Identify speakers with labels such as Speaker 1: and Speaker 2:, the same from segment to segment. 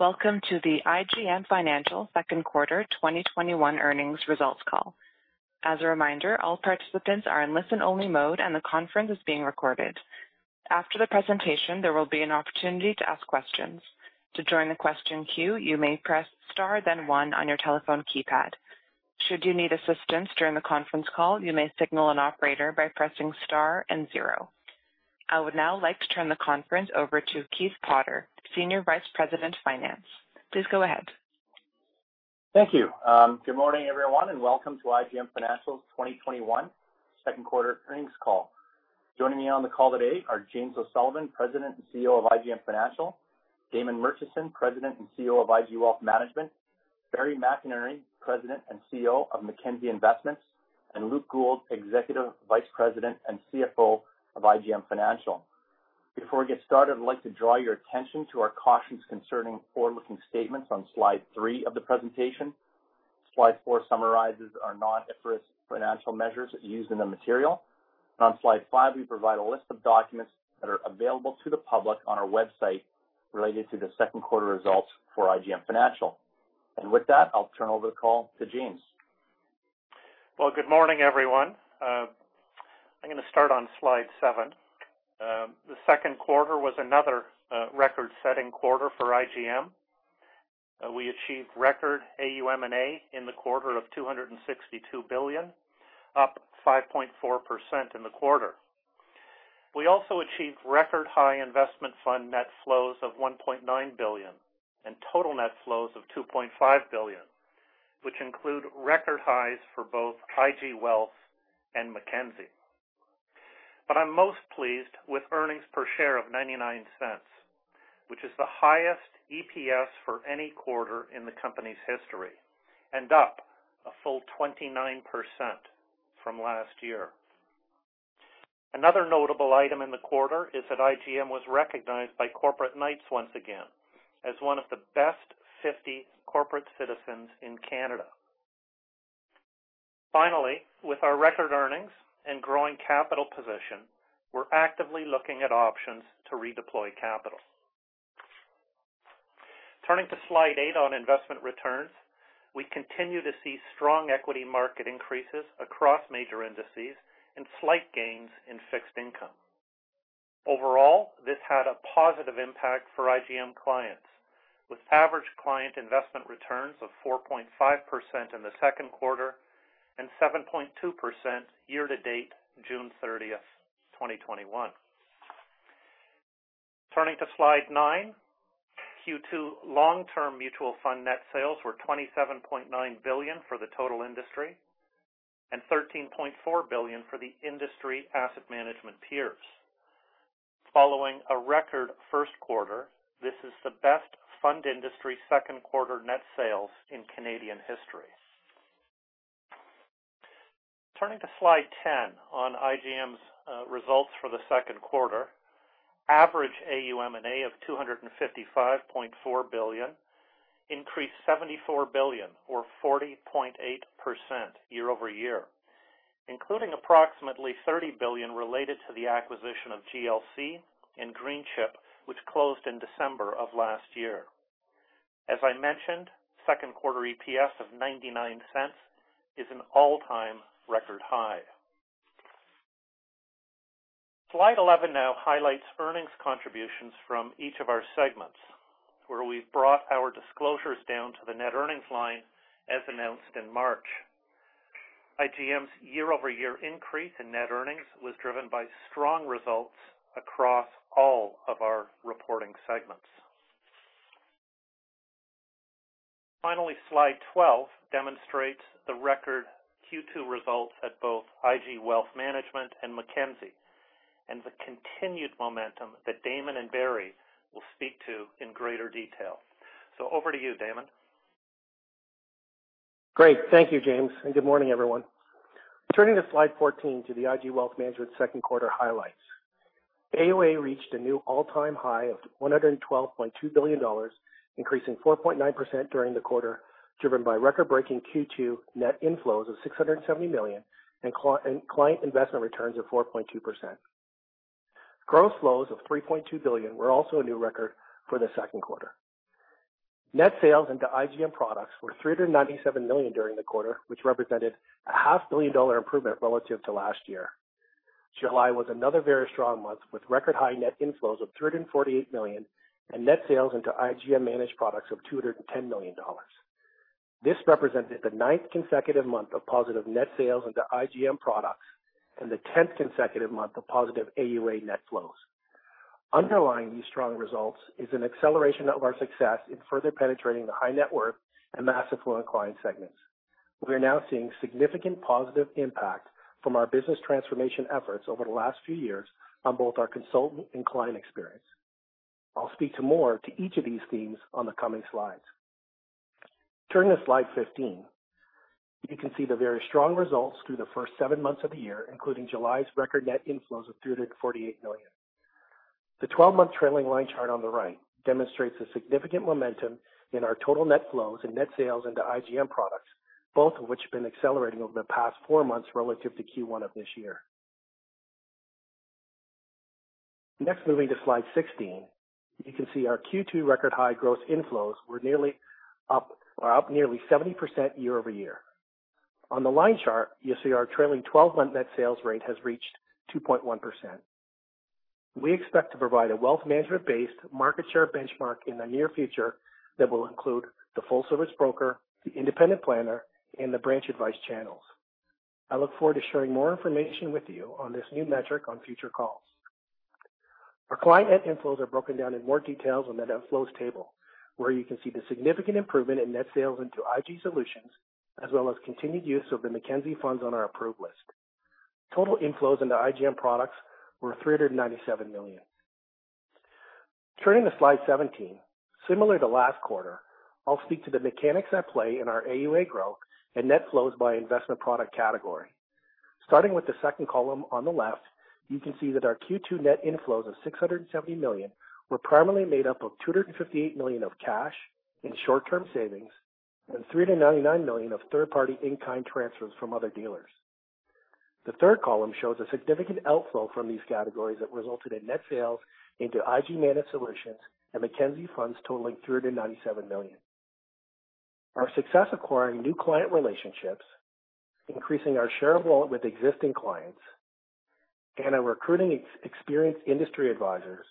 Speaker 1: Welcome to the IGM Financial Q2 2021 earnings results call. As a reminder, all participants are in listen-only mode, and the conference is being recorded. After the presentation, there will be an opportunity to ask questions. To join the question queue, you may press star then one on your telephone keypad. Should you need assistance during the conference call, you may signal an operator by pressing star and zero. I would now like to turn the conference over to Keith Potter, Senior Vice President of Finance. Please go ahead.
Speaker 2: Thank you. Good morning, everyone, and welcome to IGM Financial's 2021 Q2 earnings call. Joining me on the call today are James O'Sullivan, President and CEO of IGM Financial, Damon Murchison, President and CEO of IG Wealth Management, Barry McInerney, President and CEO of Mackenzie Investments, and Luke Gould, Executive Vice President and CFO of IGM Financial. Before we get started, I'd like to draw your attention to our cautions concerning forward-looking statements on slide three of the presentation. Slide four summarizes our non-IFRS financial measures used in the material. On slide five, we provide a list of documents that are available to the public on our website related to the Q2 results for IGM Financial. With that, I'll turn over the call to James.
Speaker 3: Well, good morning, everyone. I'm going to start on slide sevens. The Q2 was another record-setting quarter for IGM. We achieved record AUM&A in the quarter of 262 billion, up 5.4% in the quarter. We also achieved record-high investment fund net flows of 1.9 billion and total net flows of 2.5 billion, which include record highs for both IG Wealth and Mackenzie. But I'm most pleased with earnings per share of 0.99, which is the highest EPS for any quarter in the company's history, and up a full 29% from last year. Another notable item in the quarter is that IGM was recognized by Corporate Knights once again as one of the best 50 corporate citizens in Canada. Finally, with our record earnings and growing capital position, we're actively looking at options to redeploy capital. Turning to slide eight on investment returns, we continue to see strong equity market increases across major indices and slight gains in fixed income. Overall, this had a positive impact for IGM clients, with average client investment returns of 4.5% in the Q2 and 7.2% year-to-date, June 30, 2021. Turning to slide nine, Q2 long-term mutual fund net sales were 27.9 billion for the total industry and 13.4 billion for the industry asset management peers. Following a record Q1, this is the best fund industry Q2 net sales in Canadian history. Turning to slide 10 on IGM's results for the Q2. Average AUM&A of 255.4 billion increased 74 billion or 40.8% year-over-year, including approximately 30 billion related to the acquisition of GLC and Greenchip, which closed in December of last year. As I mentioned, Q2 EPS of 0.99 is an all-time record high. Slide 11 now highlights earnings contributions from each of our segments, where we've brought our disclosures down to the net earnings line as announced in March. IGM's year-over-year increase in net earnings was driven by strong results across all of our reporting segments. Finally, Slide 12 demonstrates the record Q2 results at both IG Wealth Management and Mackenzie, and the continued momentum that Damon and Barry will speak to in greater detail. So over to you, Damon.
Speaker 4: Great. Thank you, James, and good morning, everyone. Turning to Slide 14 to the IG Wealth Management Q2 highlights. AUA reached a new all-time high of 112.2 billion dollars, increasing 4.9% during the quarter, driven by record-breaking Q2 net inflows of 670 million and client investment returns of 4.2%. Gross flows of 3.2 billion were also a new record for the Q2. Net sales into IGM products were 397 million during the quarter, which represented a 500,000 dollar improvement relative to last year. July was another very strong month, with record high net inflows of 348 million and net sales into IGM managed products of 210 million dollars. This represented the ninth consecutive month of positive net sales into IGM products and the tenth consecutive month of positive AUA net flows. Underlying these strong results is an acceleration of our success in further penetrating the high-net-worth and mass-affluent client segments. We are now seeing significant positive impact from our business transformation efforts over the last few years on both our consultant and client experience. I'll speak to more to each of these themes on the coming slides. Turning to Slide 15, you can see the very strong results through the first 7 months of the year, including July's record net inflows of 348 million. The 12-month trailing line chart on the right demonstrates the significant momentum in our total net flows and net sales into IGM products, both of which have been accelerating over the past 4 months relative to Q1 of this year. Next, moving to slide 16, you can see our Q2 record high gross inflows are up nearly 70% year-over-year. On the line chart, you'll see our trailing twelve-month net sales rate has reached 2.1%. We expect to provide a wealth management-based market share benchmark in the near future that will include the full service broker, the independent planner, and the branch advice channels. I look forward to sharing more information with you on this new metric on future calls. Our client net inflows are broken down in more details on the net outflows table, where you can see the significant improvement in net sales into IG solutions, as well as continued use of the Mackenzie Funds on our approved list. Total inflows into IGM products were 397 million. Turning to slide 17, similar to last quarter, I'll speak to the mechanics at play in our AUA growth and net flows by investment product category. Starting with the second column on the left, you can see that our Q2 net inflows of 670 million were primarily made up of 258 million of cash and short-term savings, and 399 million of third-party in-kind transfers from other dealers. The third column shows a significant outflow from these categories that resulted in net sales into IG Managed Solutions and Mackenzie Funds totaling 397 million. Our success acquiring new client relationships, increasing our share of wallet with existing clients, and our recruiting experienced industry advisors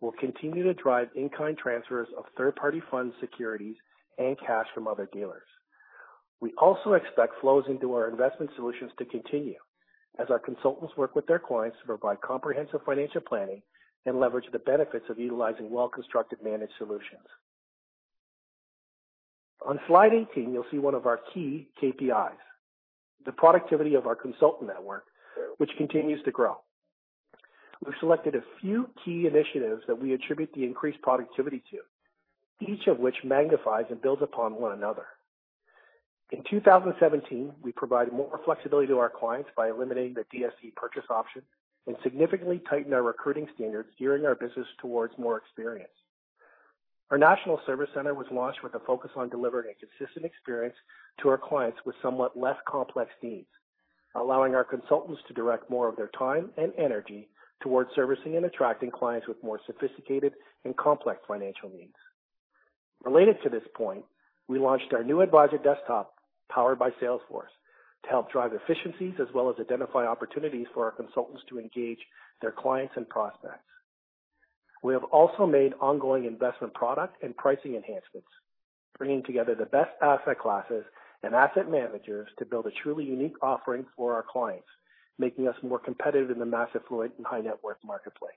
Speaker 4: will continue to drive in-kind transfers of third-party funds, securities, and cash from other dealers. We also expect flows into our investment solutions to continue as our consultants work with their clients to provide comprehensive financial planning and leverage the benefits of utilizing well-constructed managed solutions. On slide 18, you'll see one of our key KPIs, the productivity of our consultant network, which continues to grow. We've selected a few key initiatives that we attribute the increased productivity to, each of which magnifies and builds upon one another. In 2017, we provided more flexibility to our clients by eliminating the DSC purchase option and significantly tightened our recruiting standards, gearing our business towards more experience. Our National Service Center was launched with a focus on delivering a consistent experience to our clients with somewhat less complex needs, allowing our consultants to direct more of their time and energy towards servicing and attracting clients with more sophisticated and complex financial needs. Related to this point, we launched our new advisor desktop, powered by Salesforce, to help drive efficiencies as well as identify opportunities for our consultants to engage their clients and prospects. We have also made ongoing investment, product, and pricing enhancements, bringing together the best asset classes and asset managers to build a truly unique offering for our clients, making us more competitive in the mass affluent and high-net-worth marketplace.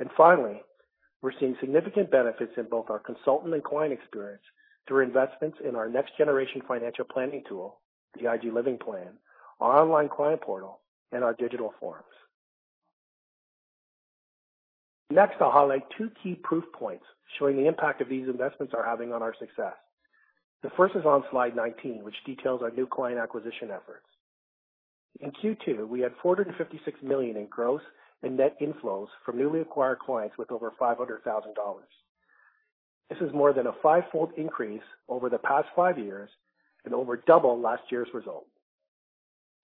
Speaker 4: And finally, we're seeing significant benefits in both our consultant and client experience through investments in our next-generation financial planning tool, the IG Living Plan, our online client portal, and our digital forms. Next, I'll highlight two key proof points showing the impact of these investments are having on our success. The first is on slide 19, which details our new client acquisition efforts. In Q2, we had 456 million in gross and net inflows from newly acquired clients with over 500,000 dollars. This is more than a five-fold increase over the past five years and over double last year's result.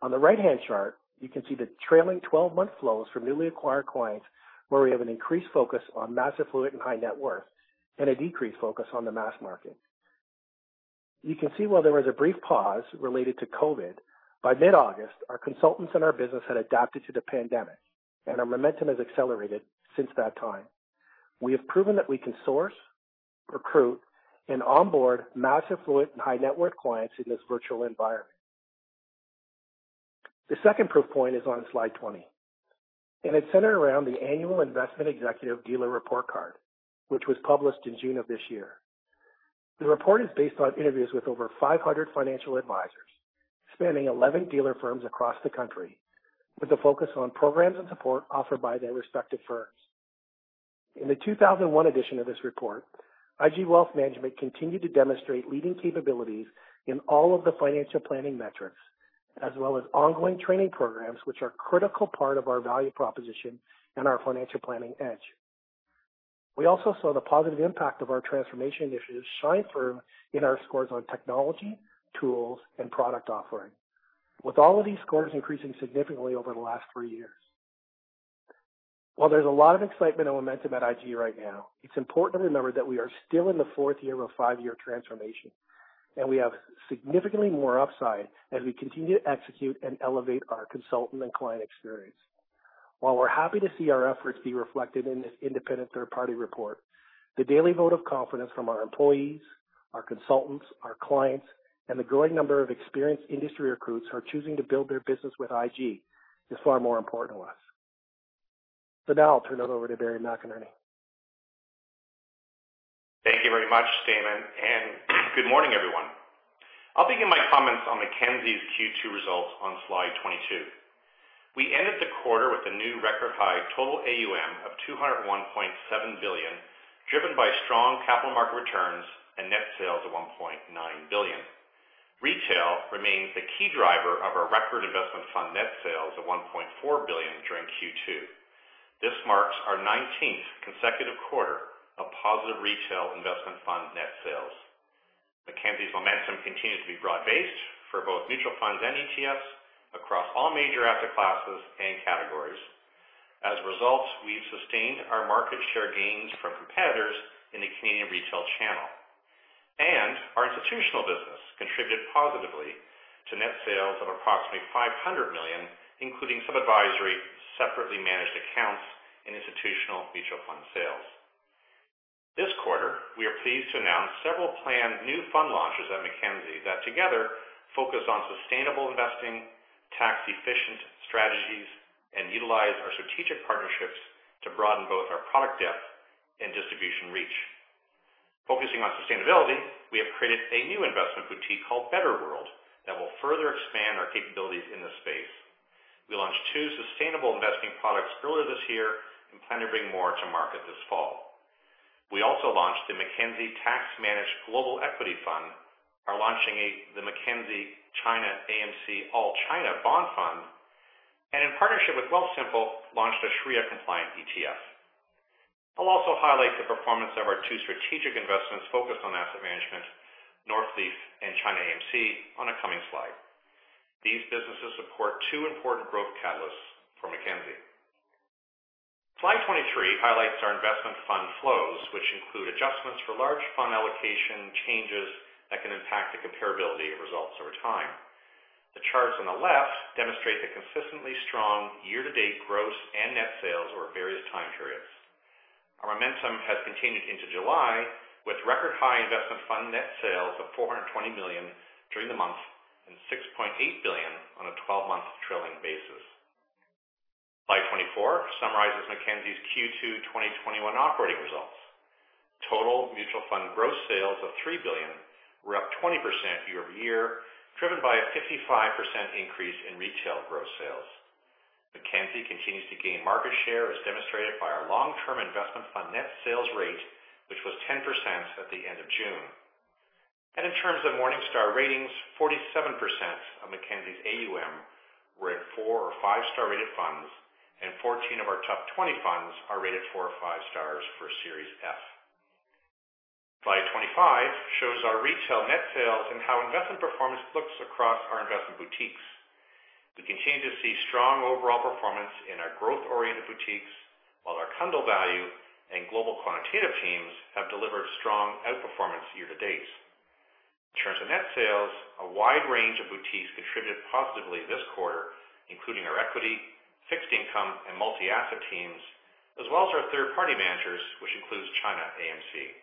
Speaker 4: On the right-hand chart, you can see the trailing 12-month flows from newly acquired clients, where we have an increased focus on mass affluent and high-net-worth, and a decreased focus on the mass market. You can see, while there was a brief pause related to COVID, by mid-August, our consultants and our business had adapted to the pandemic, and our momentum has accelerated since that time. We have proven that we can source, recruit, and onboard mass affluent and high-net-worth clients in this virtual environment. The second proof point is on slide 20, and it's centered around the Annual Investment Executive Dealer Report Card, which was published in June of this year. The report is based on interviews with over 500 financial advisors, spanning 11 dealer firms across the country, with a focus on programs and support offered by their respective firms. In the 2021 edition of this report, IG Wealth Management continued to demonstrate leading capabilities in all of the financial planning metrics, as well as ongoing training programs, which are a critical part of our value proposition and our financial planning edge. We also saw the positive impact of our transformation initiatives shine through in our scores on technology, tools, and product offering, with all of these scores increasing significantly over the last 3 years. While there's a lot of excitement and momentum at IG right now, it's important to remember that we are still in the fourth year of a five-year transformation, and we have significantly more upside as we continue to execute and elevate our consultant and client experience. While we're happy to see our efforts be reflected in this independent third-party report, the daily vote of confidence from our employees, our consultants, our clients, and the growing number of experienced industry recruits who are choosing to build their business with IG is far more important to us. So now I'll turn it over to Barry McInerney.
Speaker 5: Thank you very much, Damon, and good morning, everyone. I'll begin my comments on Mackenzie's Q2 results on slide 22. We ended the quarter with a new record-high total AUM of 201.7 billion, driven by strong capital market returns and net sales of 1.9 billion. Retail remains the key driver of our record investment fund net sales of 1.4 billion during Q2. This marks our 19th consecutive quarter of positive retail investment fund net sales.... Mackenzie's momentum continues to be broad-based for both mutual funds and ETFs across all major asset classes and categories. As a result, we've sustained our market share gains from competitors in the Canadian retail channel, and our institutional business contributed positively to net sales of approximately 500 million, including some advisory, separately managed accounts, and institutional mutual fund sales. This quarter, we are pleased to announce several planned new fund launches at Mackenzie that together focus on sustainable investing, tax-efficient strategies, and utilize our strategic partnerships to broaden both our product depth and distribution reach. Focusing on sustainability, we have created a new investment boutique called Betterworld that will further expand our capabilities in this space. We launched two sustainable investing products earlier this year and plan to bring more to market this fall. We also launched the Mackenzie Tax Managed Global Equity Fund, are launching the Mackenzie ChinaAMC All China Bond Fund, and in partnership with Wealthsimple, launched a Sharia-compliant ETF. I'll also highlight the performance of our two strategic investments focused on asset management, Northleaf and ChinaAMC, on a coming slide. These businesses support two important growth catalysts for Mackenzie. Slide 23 highlights our investment fund flows, which include adjustments for large fund allocation changes that can impact the comparability of results over time. The charts on the left demonstrate the consistently strong year-to-date gross and net sales over various time periods. Our momentum has continued into July, with record high investment fund net sales of 420 million during the month and 6.8 billion on a 12-month trailing basis. Slide 24 summarizes Mackenzie's Q2 2021 operating results. Total mutual fund gross sales of 3 billion were up 20% year-over-year, driven by a 55% increase in retail gross sales. Mackenzie continues to gain market share, as demonstrated by our long-term investment fund net sales rate, which was 10% at the end of June. In terms of Morningstar ratings, 47% of Mackenzie's AUM were in four or five-star rated funds, and 14 of our top 20 funds are rated four or five stars for Series F. Slide 25 shows our retail net sales and how investment performance looks across our investment boutiques. We continue to see strong overall performance in our growth-oriented boutiques, while our Cundill value and global quantitative teams have delivered strong outperformance year to date. In terms of net sales, a wide range of boutiques contributed positively this quarter, including our equity, fixed income, and multi-asset teams, as well as our third-party managers, which includes ChinaAMC.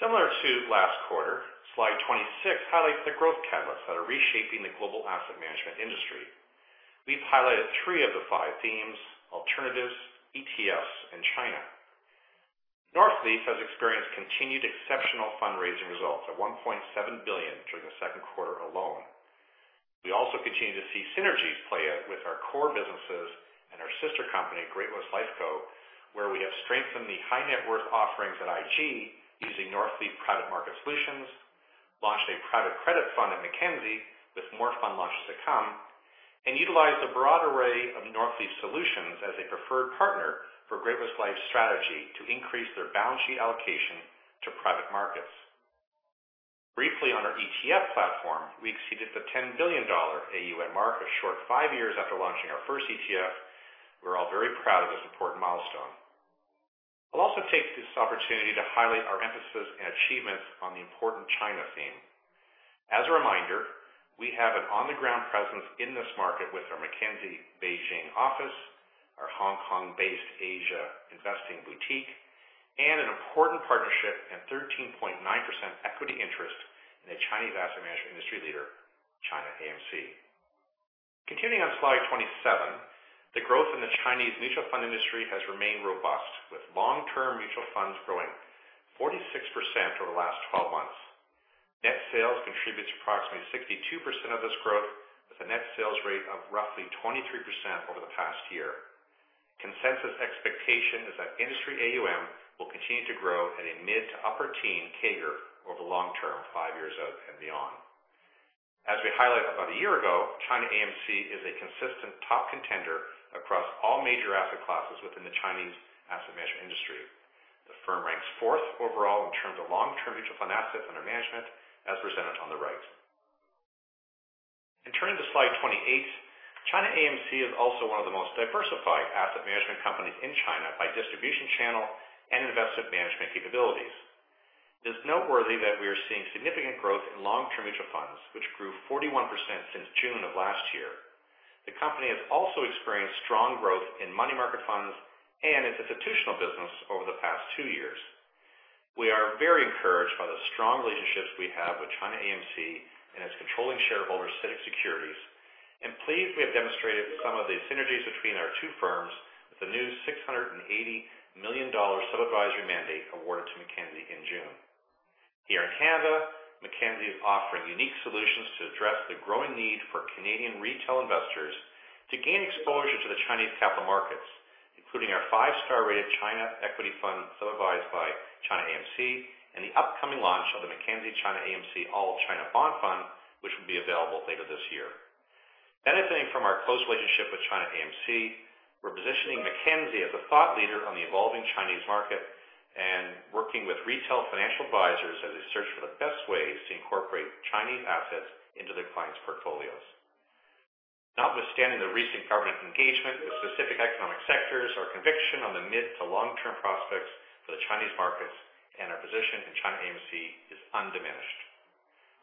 Speaker 5: Similar to last quarter, slide 26 highlights the growth catalysts that are reshaping the global asset management industry. We've highlighted 3 of the 5 themes: alternatives, ETFs, and China. Northleaf has experienced continued exceptional fundraising results at 1.7 billion during the Q2 alone. We also continue to see synergies play out with our core businesses and our sister company, Great-West Lifeco, where we have strengthened the high net worth offerings at IG using Northleaf Private Market Solutions, launched a private credit fund at Mackenzie with more fund launches to come, and utilized a broad array of Northleaf solutions as a preferred partner for Great-West Life strategy to increase their balance sheet allocation to private markets. Briefly, on our ETF platform, we exceeded the 10 billion dollar AUM mark a short 5 years after launching our first ETF. We're all very proud of this important milestone. I'll also take this opportunity to highlight our emphasis and achievements on the important China theme. As a reminder, we have an on-the-ground presence in this market with our Mackenzie Beijing office, our Hong Kong-based Asia investing boutique, and an important partnership and 13.9% equity interest in the Chinese asset management industry leader, ChinaAMC. Continuing on slide 27, the growth in the Chinese mutual fund industry has remained robust, with long-term mutual funds growing 46% over the last 12 months. Net sales contributes approximately 62% of this growth, with a net sales rate of roughly 23% over the past year. Consensus expectation is that industry AUM will continue to grow at a mid to upper teen CAGR over the long term, 5 years out and beyond. As we highlighted about a year ago, ChinaAMC is a consistent top contender across all major asset classes within the Chinese asset management industry. The firm ranks fourth overall in terms of long-term mutual fund assets under management, as presented on the right. Turning to slide 28, ChinaAMC is also one of the most diversified asset management companies in China by distribution channel and investment management capabilities. It is noteworthy that we are seeing significant growth in long-term mutual funds, which grew 41% since June of last year. The company has also experienced strong growth in money market funds and its institutional business over the past 2 years. We are very encouraged by the strong relationships we have with ChinaAMC and its controlling shareholder, CITIC Securities, and pleased we have demonstrated some of the synergies between our two firms with the new 680 million dollar sub-advisory mandate awarded to Mackenzie in June. Here in Canada, Mackenzie is offering unique solutions to address the growing need for Canadian retail investors to gain exposure to the Chinese capital markets, including our five-star rated China equity fund, sub-advised by ChinaAMC, and the upcoming launch of the Mackenzie ChinaAMC All China Bond Fund, which will be available later this year. Benefiting from our close relationship with ChinaAMC, we're positioning Mackenzie as a thought leader on the evolving Chinese market and working with retail financial advisors as they search for the best ways to incorporate Chinese assets into their clients' portfolios. Notwithstanding the recent government engagement with specific economic sectors, our conviction on the mid to long-term prospects for the Chinese markets and our position in ChinaAMC is undiminished.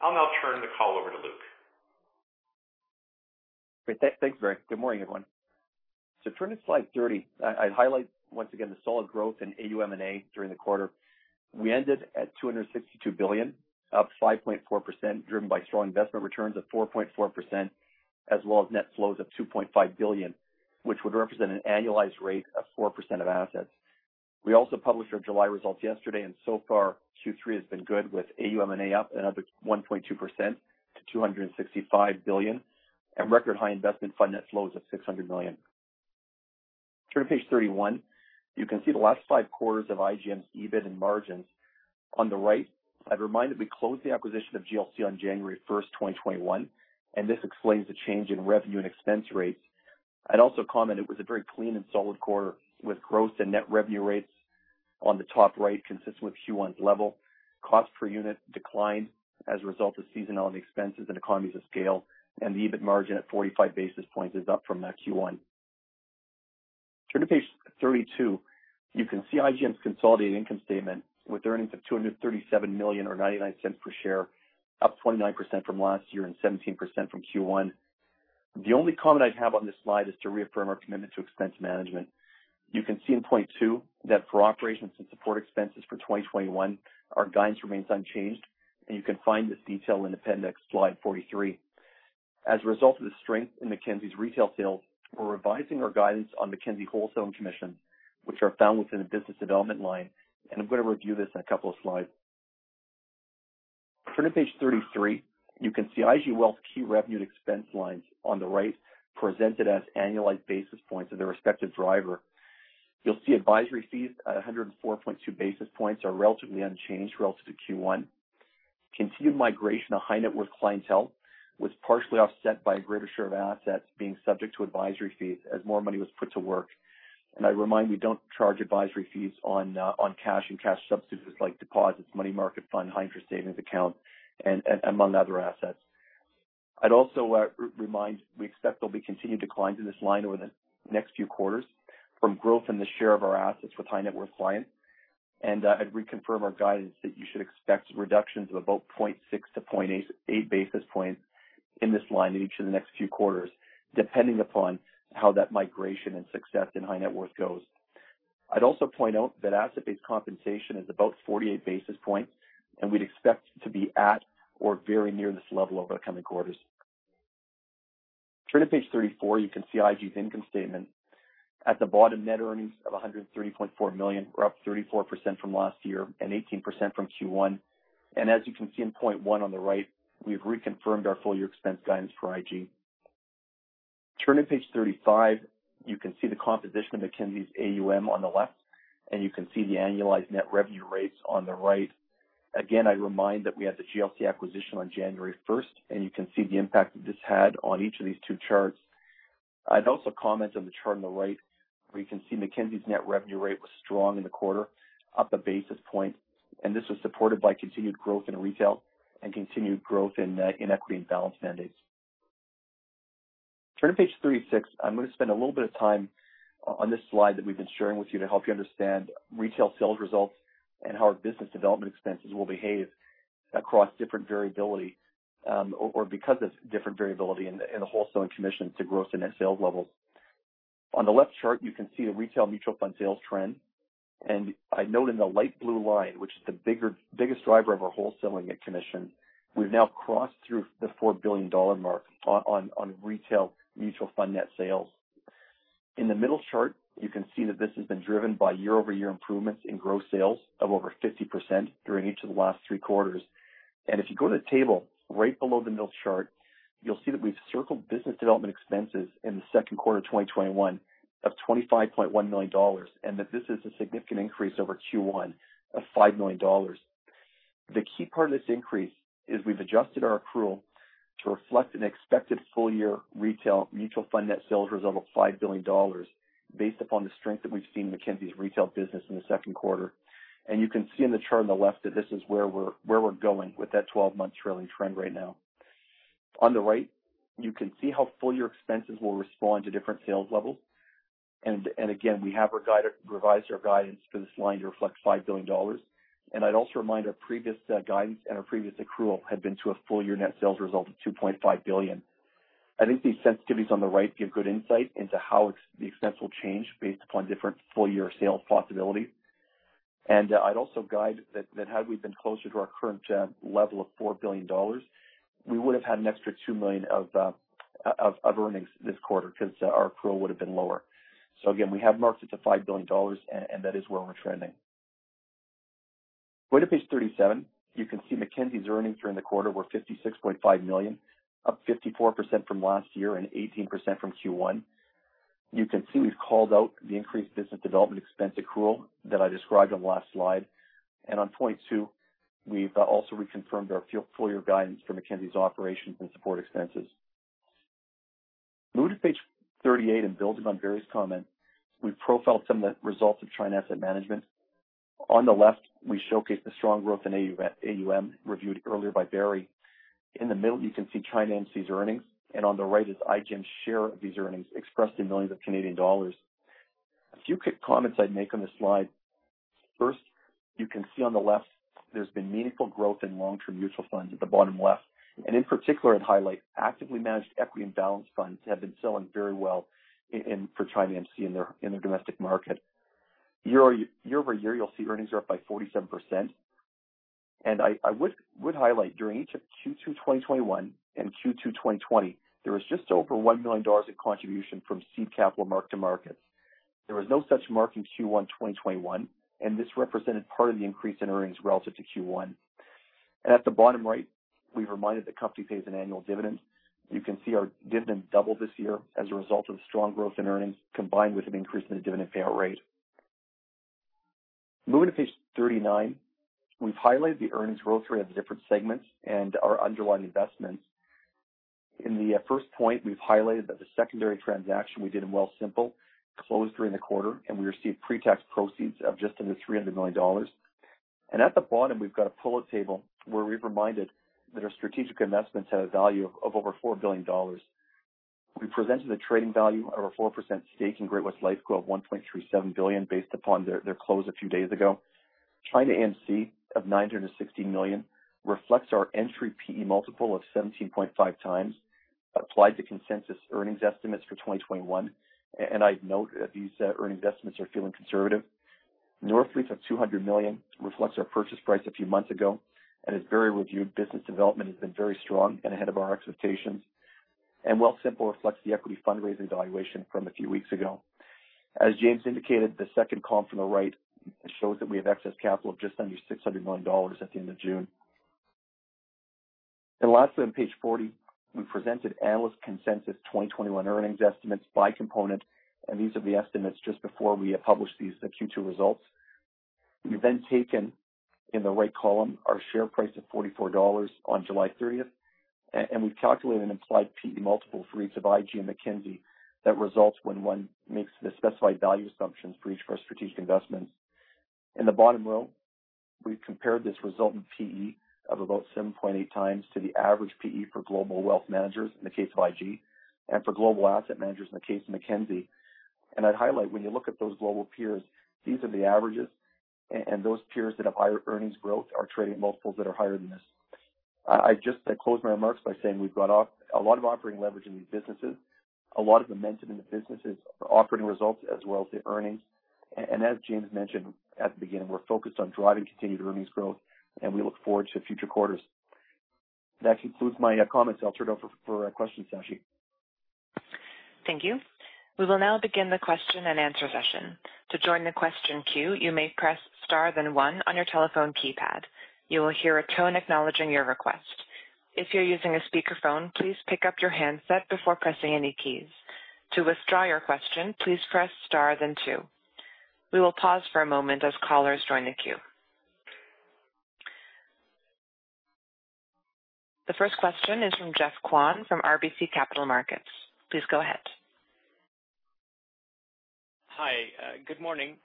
Speaker 5: I'll now turn the call over to Luke.
Speaker 6: Great. Thanks, Barry. Good morning, everyone. So turning to slide 30, I'd highlight once again the solid growth in AUM&A during the quarter. We ended at 262 billion, up 5.4%, driven by strong investment returns of 4.4%, as well as net flows of 2.5 billion, which would represent an annualized rate of 4% of assets. We also published our July results yesterday, and so far, Q3 has been good, with AUM&A up another 1.2% to 265 billion, and record high investment fund net flows of 600 million. Turn to page 31. You can see the last 5 quarters of IGM's EBIT and margins. On the right, I'd remind that we closed the acquisition of GLC on January 1, 2021, and this explains the change in revenue and expense rates. I'd also comment it was a very clean and solid quarter, with growth and net revenue rates on the top right consistent with Q1's level. Cost per unit declined as a result of seasonality expenses and economies of scale, and the EBIT margin at 45 basis points is up from that Q1. Turn to page 32. You can see IGM's consolidated income statement, with earnings of 237 million, or 0.99 per share, up 29% from last year and 17% from Q1. The only comment I'd have on this slide is to reaffirm our commitment to expense management. You can see in point two, that for operations and support expenses for 2021, our guidance remains unchanged, and you can find this detail in appendix slide 43. As a result of the strength in Mackenzie's retail sales, we're revising our guidance on Mackenzie wholesale commission, which are found within the business development line, and I'm going to review this in a couple of slides. Turn to page 33. You can see IG Wealth's key revenue expense lines on the right, presented as annualized basis points of their respective driver. You'll see advisory fees at 104.2 basis points are relatively unchanged relative to Q1. Continued migration of high-net-worth clientele was partially offset by a greater share of assets being subject to advisory fees as more money was put to work. I remind you, don't charge advisory fees on cash and cash substitutes like deposits, money market fund, high interest savings account, and among other assets. I'd also remind we expect there'll be continued declines in this line over the next few quarters from growth in the share of our assets with high-net-worth clients. I'd reconfirm our guidance that you should expect reductions of about 0.6-0.8 basis points in this line in each of the next few quarters, depending upon how that migration and success in high-net-worth goes. I'd also point out that asset-based compensation is about 48 basis points, and we'd expect to be at or very near this level over the coming quarters. Turn to page 34. You can see IG's income statement. At the bottom, net earnings of 130.4 million, or up 34% from last year and 18% from Q1. As you can see in point 1 on the right, we've reconfirmed our full year expense guidance for IG. Turning to page 35, you can see the composition of Mackenzie's AUM on the left, and you can see the annualized net revenue rates on the right. Again, I'd remind that we had the GLC acquisition on January 1, and you can see the impact that this had on each of these two charts. I'd also comment on the chart on the right, where you can see Mackenzie's net revenue rate was strong in the quarter, up a basis point, and this was supported by continued growth in retail and continued growth in balanced mandates. Turn to page 36. I'm going to spend a little bit of time on this slide that we've been sharing with you to help you understand retail sales results and how our business development expenses will behave across different variability, or because of different variability in the, in the wholesaling commission to gross and net sales levels. On the left chart, you can see a retail mutual fund sales trend, and I note in the light blue line, which is the biggest driver of our wholesaling net commission, we've now crossed through the 4 billion dollar mark on retail mutual fund net sales. In the middle chart, you can see that this has been driven by year-over-year improvements in gross sales of over 50% during each of the last three quarters. And if you go to the table right below the middle chart, you'll see that we've circled business development expenses in the Q2 of 2021 of 25.1 million dollars, and that this is a significant increase over Q1 of 5 million dollars. The key part of this increase is we've adjusted our accrual to reflect an expected full year retail mutual fund net sales result of 5 billion dollars, based upon the strength that we've seen in Mackenzie's retail business in the Q2. And you can see in the chart on the left, that this is where we're, where we're going with that 12-month trailing trend right now. On the right, you can see how full year expenses will respond to different sales levels. And, and again, we have revised our guidance for this line to reflect 5 billion dollars. I'd also remind our previous guidance and our previous accrual had been to a full year net sales result of 2.5 billion. I think these sensitivities on the right give good insight into how the expense will change based upon different full year sales possibilities. And I'd also guide that, that had we been closer to our current level of 4 billion dollars, we would have had an extra 2 million of earnings this quarter because our accrual would have been lower. So again, we have marked it to 5 billion dollars, and that is where we're trending. Go to page 37. You can see Mackenzie's earnings during the quarter were 56.5 million, up 54% from last year and 18% from Q1. You can see we've called out the increased business development expense accrual that I described on the last slide. On point two, we've also reconfirmed our full, full year guidance for Mackenzie's operations and support expenses. Moving to page 38, and building on Barry's comment, we've profiled some of the results of China Asset Management. On the left, we showcase the strong growth in AUM, reviewed earlier by Barry. In the middle, you can see ChinaAMC's earnings, and on the right is IGM's share of these earnings, expressed in millions of Canadian dollars. A few quick comments I'd make on this slide. First, you can see on the left there's been meaningful growth in long-term mutual funds at the bottom left, and in particular, I'd highlight actively managed equity and balanced funds have been selling very well in, for ChinaAMC in their, in their domestic market. Year-over-year, you'll see earnings are up by 47%. And I would highlight during each of Q2 2021 and Q2 2020, there was just over 1 million dollars in contribution from seed capital mark to market. There was no such mark in Q1 2021, and this represented part of the increase in earnings relative to Q1. And at the bottom right, we've reminded the company pays an annual dividend. You can see our dividend doubled this year as a result of strong growth in earnings, combined with an increase in the dividend payout rate. Moving to page 39. We've highlighted the earnings growth rate of the different segments and our underlying investments. In the first point, we've highlighted that the secondary transaction we did in Wealthsimple closed during the quarter, and we received pre-tax proceeds of just under 300 million dollars. At the bottom, we've got a pull-up table where we've reminded that our strategic investments have a value of over 4 billion dollars. We presented the trading value of our 4% stake in Great-West Lifeco of 1.37 billion, based upon their close a few days ago. ChinaAMC of 916 million reflects our entry PE multiple of 17.5x, applied to consensus earnings estimates for 2021. And I'd note that these earning investments are feeling conservative. Northleaf of 200 million reflects our purchase price a few months ago, and as Barry reviewed, business development has been very strong and ahead of our expectations. Wealthsimple reflects the equity fundraising valuation from a few weeks ago. As James indicated, the second column from the right shows that we have excess capital of just under 600 million dollars at the end of June. Lastly, on page 40, we presented analyst consensus 2021 earnings estimates by component, and these are the estimates just before we published these Q2 results. We've then taken, in the right column, our share price of 44 dollars on July 30, and we've calculated an implied PE multiple for each of IG and Mackenzie that results when one makes the specified value assumptions for each of our strategic investments. In the bottom row, we've compared this resultant PE of about 7.8 times to the average PE for global wealth managers in the case of IG, and for global asset managers in the case of Mackenzie. I'd highlight, when you look at those global peers, these are the averages, and those peers that have higher earnings growth are trading multiples that are higher than this. I just close my remarks by saying we've got off a lot of operating leverage in these businesses, a lot of momentum in the businesses for operating results as well as the earnings. As James mentioned at the beginning, we're focused on driving continued earnings growth, and we look forward to future quarters. That concludes my comments. I'll turn it over for questions, Sashi.
Speaker 1: Thank you. We will now begin the question-and-answer session. To join the question queue, you may press star, then one on your telephone keypad. You will hear a tone acknowledging your request. If you're using a speakerphone, please pick up your handset before pressing any keys. To withdraw your question, please press star then two. We will pause for a moment as callers join the queue. The first question is from Jeoff Kwon from RBC Capital Markets. Please go ahead.
Speaker 7: Hi, good morning.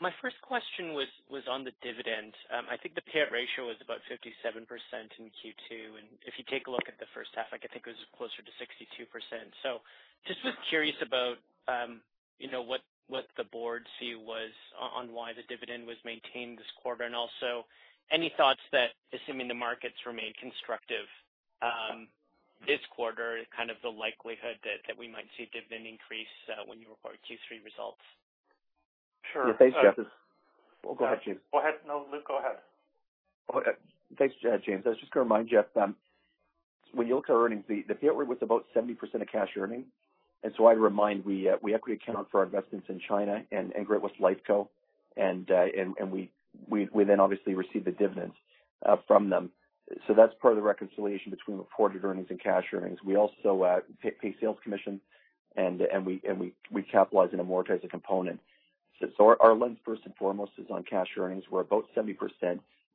Speaker 7: My first question was on the dividend. I think the payout ratio was about 57% in Q2, and if you take a look at the first half, like, I think it was closer to 62%. So just was curious about, you know, what the board's view was on why the dividend was maintained this quarter, and also any thoughts that, assuming the markets remain constructive, this quarter, kind of the likelihood that we might see a dividend increase, when you report Q3 results?
Speaker 6: Sure. Yeah. Thanks, Jeff. Oh, go ahead, James.
Speaker 3: Go ahead. No, Luke, go ahead. Okay.
Speaker 6: Thanks, James. I was just going to remind Jeff, when you look at our earnings, the payout rate was about 70% of cash earnings. And so I'd remind, we equity account for our investments in China and Great-West Lifeco. And we then obviously receive the dividends from them. So that's part of the reconciliation between reported earnings and cash earnings. We also pay sales commission, and we capitalize and amortize a component. So our lens, first and foremost, is on cash earnings. We're about 70%,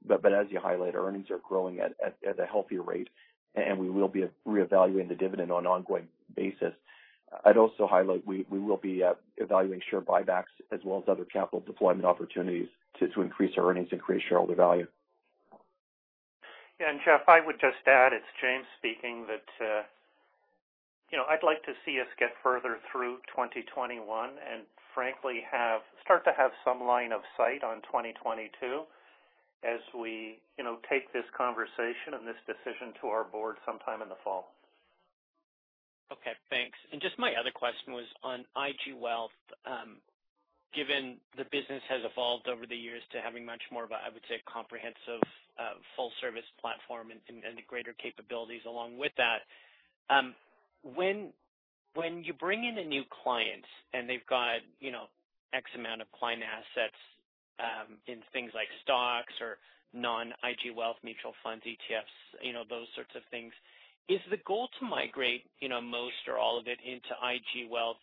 Speaker 6: but as you highlight, earnings are growing at a healthier rate, and we will be re-evaluating the dividend on an ongoing basis. I'd also highlight we will be evaluating share buybacks as well as other capital deployment opportunities to increase our earnings, increase shareholder value. Yeah, and Jeff, I would just add, it's James speaking, that you know, I'd like to see us get further through 2021, and frankly, have start to have some line of sight on 2022 as we you know, take this conversation and this decision to our board sometime in the fall.
Speaker 7: Okay, thanks. And just my other question was on IG Wealth. Given the business has evolved over the years to having much more of a, I would say, a comprehensive, full-service platform and greater capabilities along with that, when you bring in a new client and they've got, you know, X amount of client assets in things like stocks or non-IG Wealth mutual funds, ETFs, you know, those sorts of things. Is the goal to migrate, you know, most or all of it into IG Wealth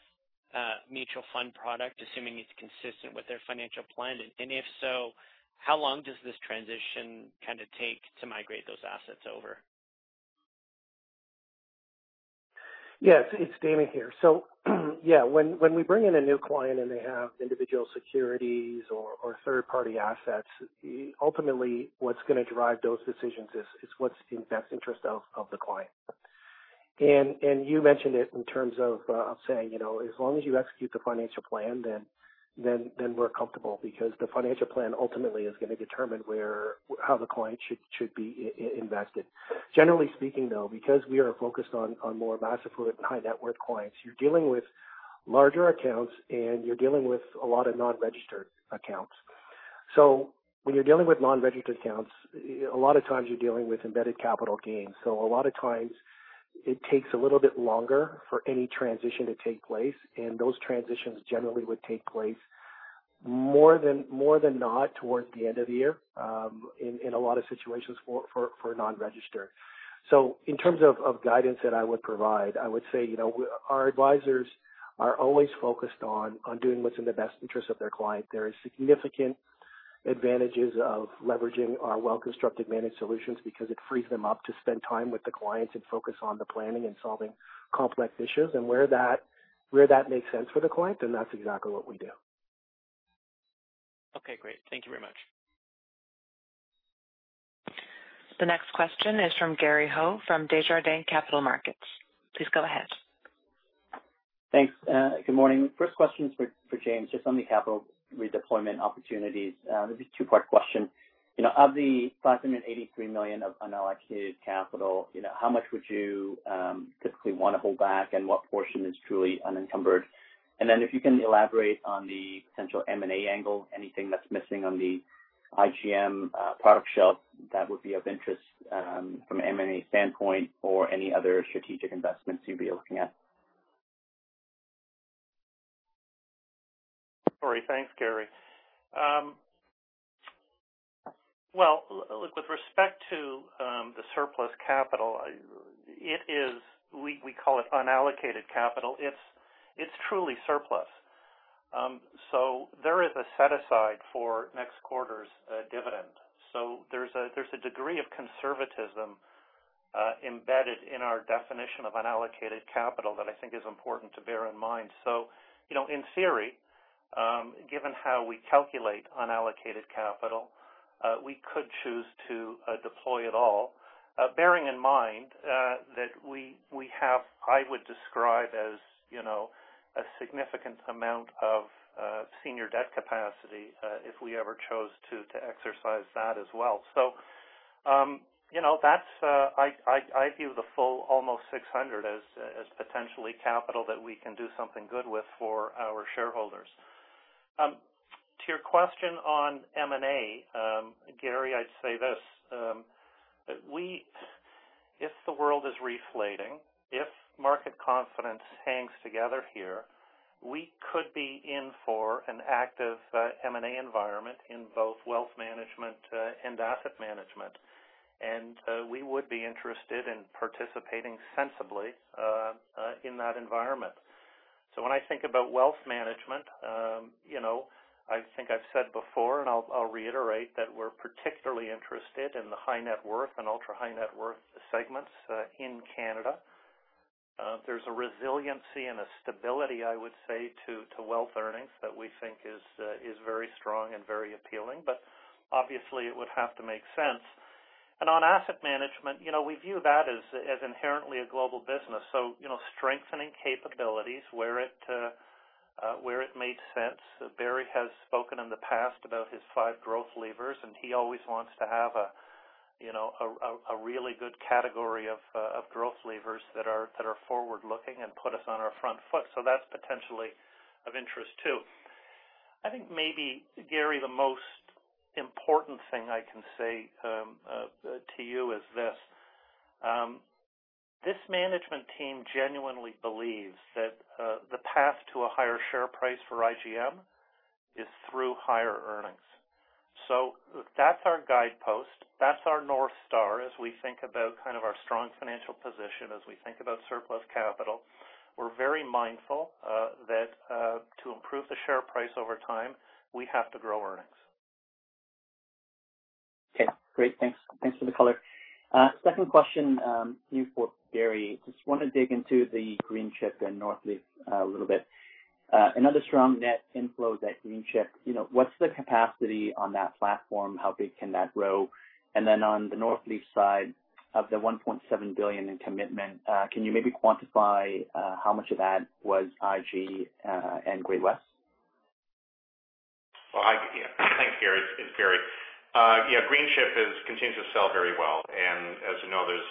Speaker 7: mutual fund product, assuming it's consistent with their financial plan? And if so, how long does this transition kind of take to migrate those assets over?
Speaker 4: Yes, it's Damon here. So, yeah, when we bring in a new client and they have individual securities or third-party assets, ultimately, what's going to drive those decisions is what's in the best interest of the client. And you mentioned it in terms of saying, you know, as long as you execute the financial plan, then we're comfortable. Because the financial plan ultimately is going to determine where-how the client should be invested. Generally speaking, though, because we are focused on mass affluent and high-net-worth clients, you're dealing with larger accounts, and you're dealing with a lot of non-registered accounts. So when you're dealing with non-registered accounts, a lot of times you're dealing with embedded capital gains. So a lot of times it takes a little bit longer for any transition to take place, and those transitions generally would take place more often than not towards the end of the year in a lot of situations for non-registered. So in terms of guidance that I would provide, I would say, you know, our advisors are always focused on doing what's in the best interest of their client. There is significant advantages of leveraging our well-constructed managed solutions because it frees them up to spend time with the clients and focus on the planning and solving complex issues. And where that makes sense for the client, then that's exactly what we do.
Speaker 7: Okay, great. Thank you very much.
Speaker 1: The next question is from Gary Ho, from Desjardins Capital Markets. Please go ahead.
Speaker 8: Thanks. Good morning. First question is for James, just on the capital redeployment opportunities. This is a two-part question. You know, of the 5 million, 83 million of unallocated capital, you know, how much would you typically want to hold back, and what portion is truly unencumbered? And then, if you can elaborate on the potential M&A angle, anything that's missing on the IGM product shelf, that would be of interest from an M&A standpoint or any other strategic investments you'd be looking at.
Speaker 3: Sorry. Thanks, Gary. Well, look, with respect to the surplus capital, it is. We call it unallocated capital. It's truly surplus. So there is a set aside for next quarter's dividend. So there's a degree of conservatism embedded in our definition of unallocated capital that I think is important to bear in mind. So, you know, in theory, given how we calculate unallocated capital, we could choose to deploy it all, bearing in mind that we have, I would describe as, you know, a significant amount of senior debt capacity, if we ever chose to exercise that as well. So, you know, that's, I view the full almost 600 as potentially capital that we can do something good with for our shareholders. To your question on M&A, Gary, I'd say this: if the world is reflating, if market confidence hangs together here, we could be in for an active M&A environment in both wealth management and asset management. And we would be interested in participating sensibly in that environment. So when I think about wealth management, you know, I think I've said before, and I'll reiterate, that we're particularly interested in the high net worth and ultra high net worth segments in Canada. There's a resiliency and a stability, I would say, to wealth earnings that we think is very strong and very appealing, but obviously it would have to make sense. And on asset management, you know, we view that as inherently a global business. So, you know, strengthening capabilities where it makes sense. Barry has spoken in the past about his five growth levers, and he always wants to have a, you know, a really good category of growth levers that are forward-looking and put us on our front foot. So that's potentially of interest, too. I think maybe, Gary, the most important thing I can say to you is this: this management team genuinely believes that the path to a higher share price for IGM is through higher earnings. So that's our guidepost, that's our North Star, as we think about kind of our strong financial position, as we think about surplus capital. We're very mindful that to improve the share price over time, we have to grow earnings.
Speaker 8: Okay, great. Thanks. Thanks for the color. Second question, for Gary. Just want to dig into the Greenchip and Northleaf a little bit. Another strong net inflow, that Greenchip. You know, what's the capacity on that platform? How big can that grow? And then on the Northleaf side, of the 1.7 billion in commitment, can you maybe quantify, how much of that was IG, and Great-West?
Speaker 9: Well, thanks, Gary. It's Barry. Yeah, Greenchip continues to sell very well, and as you know, there's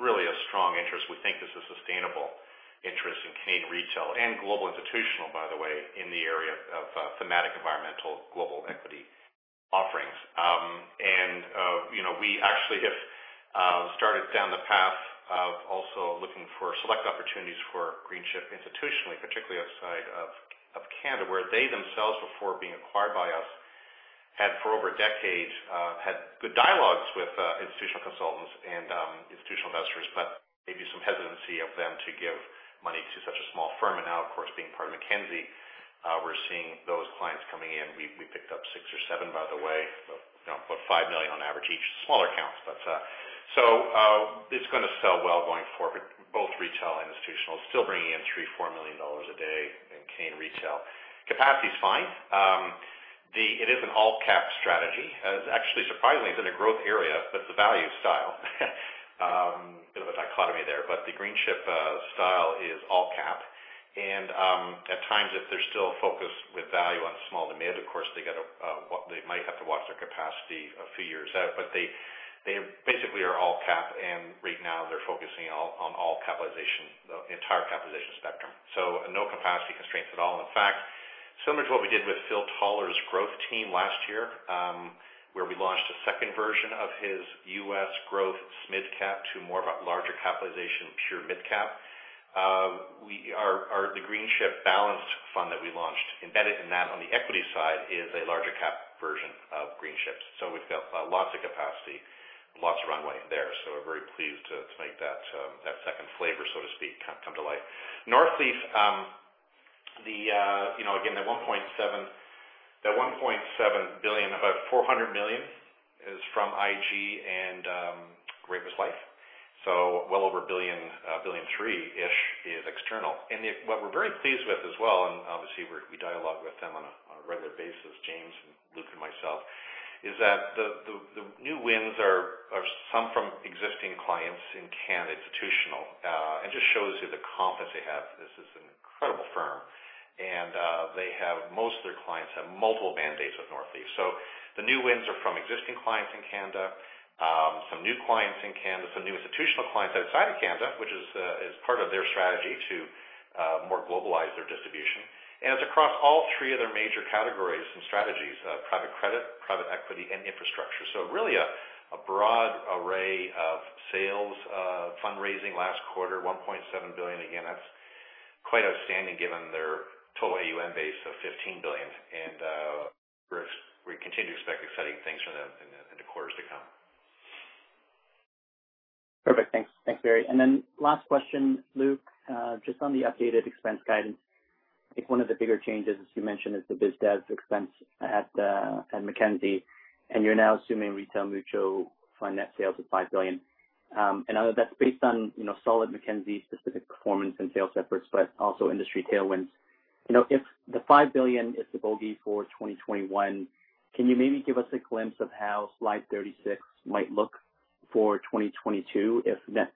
Speaker 9: really a strong interest. We think there's a sustainable interest in Canadian retail and global institutional, by the way, in the area of thematic, environmental, global equity offerings. And you know, we actually have started down the path of also looking for select opportunities for Greenchip institutionally, particularly outside of Canada, where they themselves, before being acquired by us, had for over a decade had good dialogues with institutional consultants and institutional investors, but maybe some hesitancy of them to give money to such a small firm. And now, of course, being part of Mackenzie, we're seeing those clients coming in. We picked up 6 or 7, by the way, but, you know, about 5 million on average, each smaller accounts. But, so, it's going to sell well going forward, both retail and institutional, still bringing in 3-4 million dollars a day in CAN retail. Capacity is fine. The-- it is an all cap strategy. Actually, surprisingly, it's in a growth area, but it's a value style. A bit of a dichotomy there, but the Greenchip style is all cap. And, at times, if they're still focused with value on small to mid, of course, they got to, well, they might have to watch their capacity a few years out, but they, they basically are all cap, and right now they're focusing all- on all capitalization, the entire capitalization spectrum. So no capacity constraints at all. In fact, similar to what we did with Phil Taller's growth team last year, where we launched a second version of his U.S. growth mid cap to more of a larger capitalization, pure midcap. We are the Greenchip balanced fund that we launched, embedded in that on the equity side is a larger cap version of Greenchip. So we've got lots of capacity, lots of runway there. So we're very pleased to make that second flavor, so to speak, come to life. Northleaf, the, you know, again, that 1.7, that 1.7 billion, about 400 million is from IG and, Great-West Lifeco. So well over 1 billion, billion three-ish is external. And if... What we're very pleased with as well, and obviously we dialogue with them on a regular basis, James and Luke and myself, is that the new wins are some from existing clients in Canada institutional, and just shows you the confidence they have. This is an incredible firm, and they have most of their clients have multiple mandates with Northleaf. So the new wins are from existing clients in Canada, some new clients in Canada, some new institutional clients outside of Canada, which is part of their strategy to more globalize their distribution. And it's across all three of their major categories and strategies: private credit, private equity, and infrastructure. So really a broad array of sales, fundraising last quarter, 1.7 billion. Again, that's quite outstanding given their total AUM base of 15 billion. And, we continue to expect exciting things from them in the quarters to come. Perfect. Thanks. Thanks, Barry. Then last question, Luke, just on the updated expense guidance, I think one of the bigger changes, as you mentioned, is the biz dev expense at Mackenzie, and you're now assuming retail mutual fund net sales of 5 billion. And I know that's based on, you know, solid Mackenzie specific performance and sales efforts, but also industry tailwinds. You know, if the 5 billion is the bogey for 2021, can you maybe give us a glimpse of how slide 36 might look for 2022, if net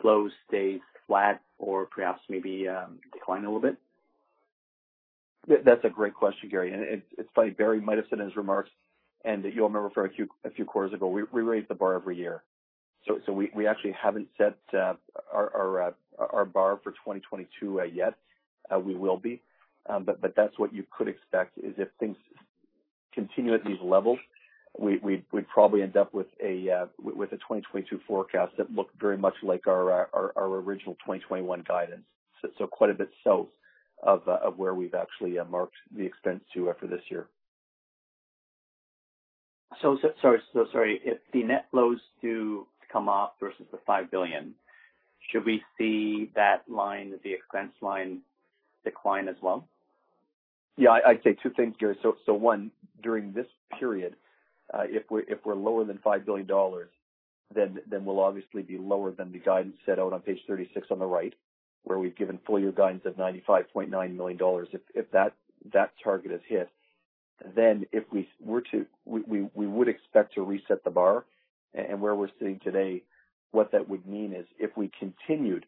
Speaker 9: flows stay flat or perhaps maybe decline a little bit?
Speaker 6: That, that's a great question, Gary, and it, it's like Barry might have said in his remarks, and you'll remember a few quarters ago, we raise the bar every year. So we actually haven't set our bar for 2022 yet. We will be. But that's what you could expect, is if things continue at these levels, we'd probably end up with a 2022 forecast that looked very much like our original 2021 guidance. So quite a bit south of where we've actually marked the expense to after this year.
Speaker 8: So, sorry. So sorry. If the net flows do come off versus the 5 billion, should we see that line, the expense line, decline as well?
Speaker 9: Yeah, I'd say two things, Gary. So one, during this period, if we're lower than 5 billion dollars, then we'll obviously be lower than the guidance set out on page 36 on the right, where we've given full year guidance of 95.9 million dollars. If that target is hit, then if we were to... We would expect to reset the bar. And where we're sitting today, what that would mean is, if we continued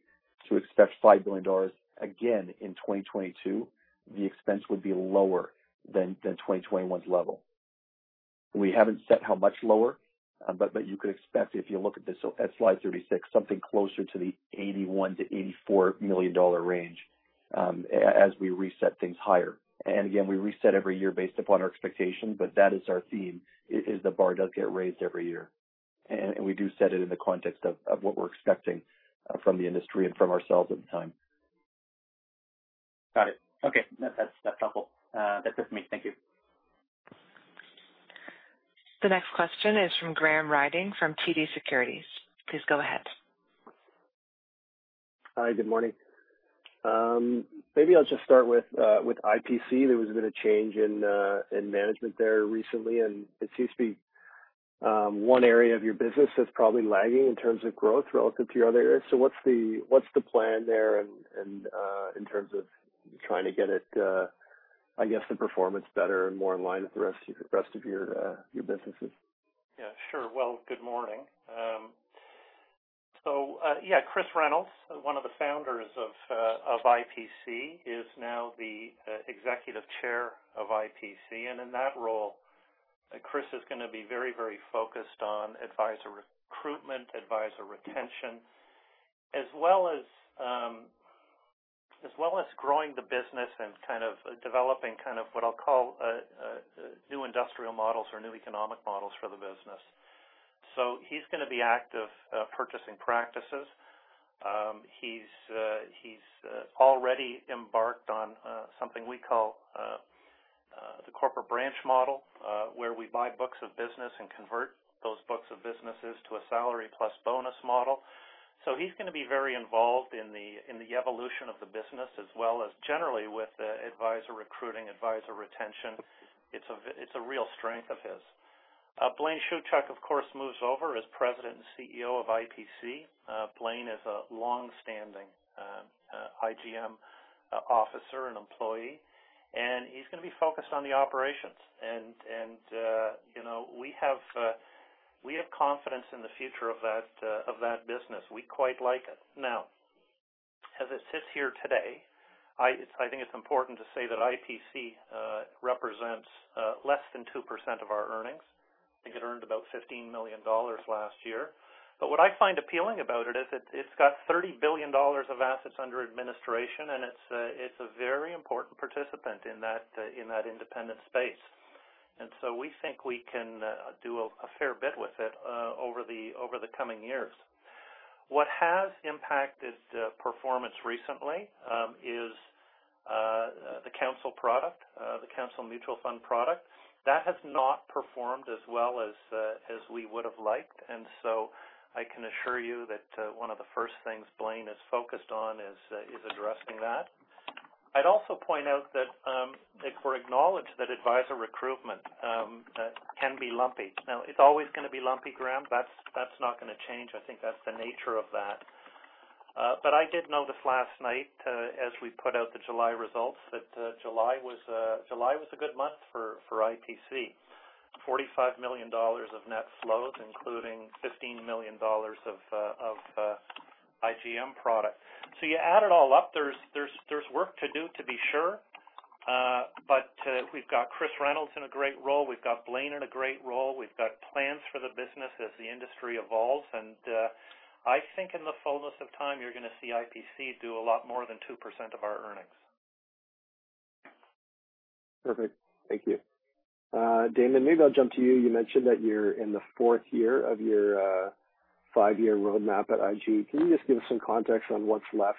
Speaker 9: to expect 5 billion dollars again in 2022, the expense would be lower than 2021's level. We haven't set how much lower, but you could expect, if you look at slide 36, something closer to the 81 million-84 million dollar range, as we reset things higher. And again, we reset every year based upon our expectations, but that is our theme, is the bar does get raised every year. And we do set it in the context of what we're expecting from the industry and from ourselves at the time.
Speaker 8: Got it. Okay. That's helpful. That's it for me. Thank you.
Speaker 1: The next question is from Graham Ryding, from TD Securities. Please go ahead.
Speaker 10: Hi, good morning. Maybe I'll just start with IPC. There was a bit of change in management there recently, and it seems to be one area of your business that's probably lagging in terms of growth relative to your other areas. So what's the plan there and in terms of trying to get it, I guess, the performance better and more in line with the rest of your businesses?
Speaker 3: Yeah, sure. Well, good morning. So, Chris Reynolds, one of the founders of IPC, is now the Executive Chair of IPC. And in that role, Chris is going to be very, very focused on advisor recruitment, advisor retention, as well as growing the business and kind of developing kind of what I'll call new industrial models or new economic models for the business. So he's going to be active purchasing practices. He's already embarked on something we call the corporate branch model, where we buy books of business and convert those books of businesses to a salary plus bonus model. So he's going to be very involved in the evolution of the business, as well as generally with the advisor recruiting, advisor retention. It's a real strength of his. Blaine Shewchuk, of course, moves over as President and CEO of IPC. Blaine is a long-standing IGM officer and employee, and he's going to be focused on the operations. You know, we have confidence in the future of that business. We quite like it. Now, as it sits here today, I think it's important to say that IPC represents less than 2% of our earnings. I think it earned about 15 million dollars last year. But what I find appealing about it is that it's got 30 billion dollars of assets under administration, and it's a very important participant in that independent space. And so we think we can do a fair bit with it over the coming years. What has impacted performance recently is the Counsel product, the Counsel mutual fund product. That has not performed as well as we would have liked, and so I can assure you that one of the first things Blaine is focused on is addressing that. I'd also point out that we've acknowledged that advisor recruitment can be lumpy. Now, it's always going to be lumpy, Graham. That's not going to change. I think that's the nature of that. But I did notice last night as we put out the July results, that July was a good month for IPC. 45 million dollars of net flows, including 15 million dollars of, of, IGM product. So you add it all up, there's, there's, there's work to do, to be sure, but, we've got Chris Reynolds in a great role. We've got Blaine in a great role. We've got plans for the business as the industry evolves, and, I think in the fullness of time, you're going to see IPC do a lot more than 2% of our earnings.
Speaker 10: Perfect. Thank you. Damon, maybe I'll jump to you. You mentioned that you're in the fourth year of your five-year roadmap at IG. Can you just give us some context on what's left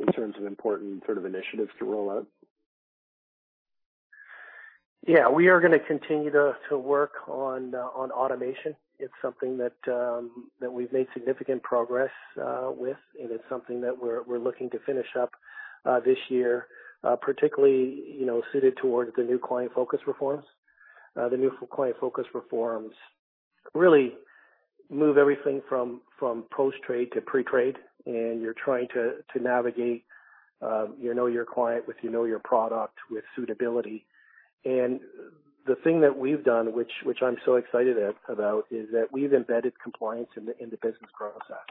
Speaker 10: in terms of important sort of initiatives to roll out?
Speaker 4: Yeah, we are going to continue to work on automation. It's something that we've made significant progress with, and it's something that we're looking to finish up this year, particularly, you know, suited towards the new Client Focused Reforms. The new Client Focused Reforms really move everything from post-trade to pre-trade, and you're trying to navigate your client with your product, with suitability. And the thing that we've done, which I'm so excited about, is that we've embedded compliance in the business process.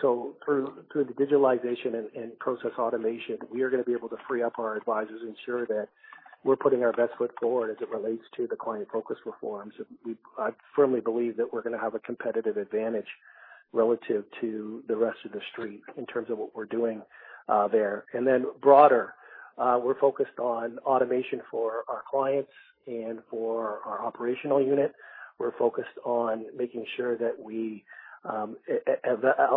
Speaker 4: So through the visualization and process automation, we are going to be able to free up our advisors, ensure that we're putting our best foot forward as it relates to the Client Focused Reforms. I firmly believe that we're going to have a competitive advantage relative to the rest of the Street in terms of what we're doing there. Then broader, we're focused on automation for our clients and for our operational unit. We're focused on making sure that we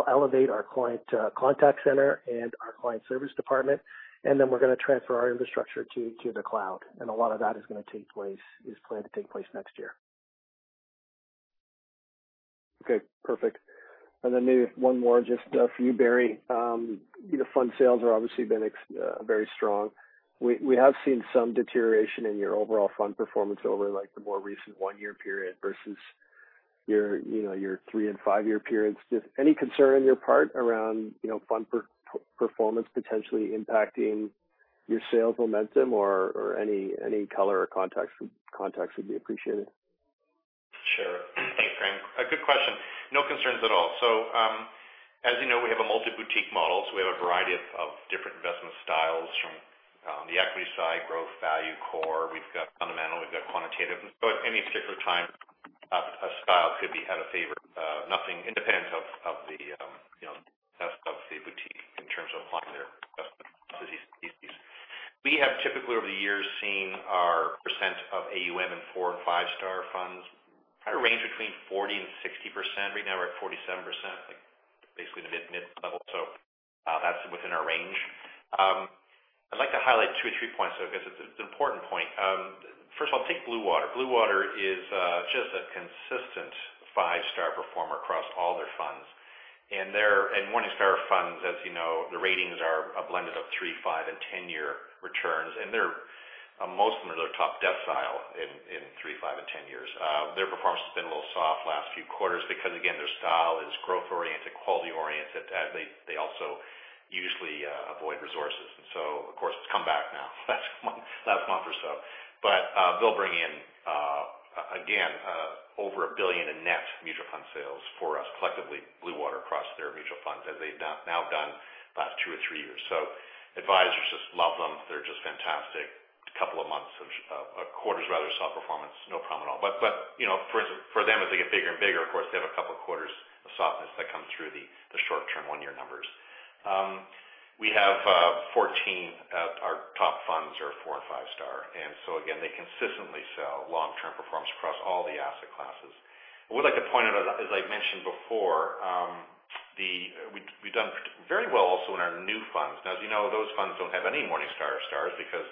Speaker 4: elevate our client contact center and our client service department, and then we're going to transfer our infrastructure to the cloud. And a lot of that is going to take place, is planned to take place next year.
Speaker 10: Okay, perfect. And then maybe one more just, for you, Barry. The fund sales are obviously been very strong. We, we have seen some deterioration in your overall fund performance over, like, the more recent one-year period versus your, you know, your three- and five-year periods. Just any concern on your part around, you know, fund performance potentially impacting your sales momentum or, or any, any color or context would be appreciated.
Speaker 5: Sure. Thanks, Graham. A good question. No concerns at all. So, as you know, we have a multi-boutique model, so we have a variety of, of different investment styles from, the equity side, growth, value, core. We've got fundamental, we've got quantitative. But any particular time, a style could be out of favor, nothing independent of, of the, you know, of, of the boutique in terms of applying their investment thesis. We have typically over the years, seeing our percent of AUM in 4- and 5-star funds kind of range between 40% and 60%. Right now, we're at 47%, like basically the mid-level. So, that's within our range. I'd like to highlight two or three points, so I guess it's an important point. First of all, take Bluewater. Bluewater is just a consistent five-star performer across all their funds. And their Morningstar funds, as you know, the ratings are a blend of three-, five-, and ten-year returns, and they're most of them are top decile in three, five, and ten years. Their performance has been a little soft last few quarters because, again, their style is growth-oriented, quality-oriented, and they also usually avoid resources. And so of course, it's come back now last month or so. But they'll bring in again over 1 billion in net mutual fund sales for us, collectively, Bluewater, across their mutual funds, as they've now done last two or three years. So advisors just love them. They're just fantastic. A couple of months of quarters rather saw performance, no problem at all. But, you know, for them, as they get bigger and bigger, of course, they have a couple of quarters of softness that come through the short-term 1-year numbers. We have 14, our top funds are 4- and 5-star, and so again, they consistently sell long-term performance across all the asset classes. I would like to point out, as I mentioned before, we, we've done very well also in our new funds. Now, as you know, those funds don't have any Morningstar stars because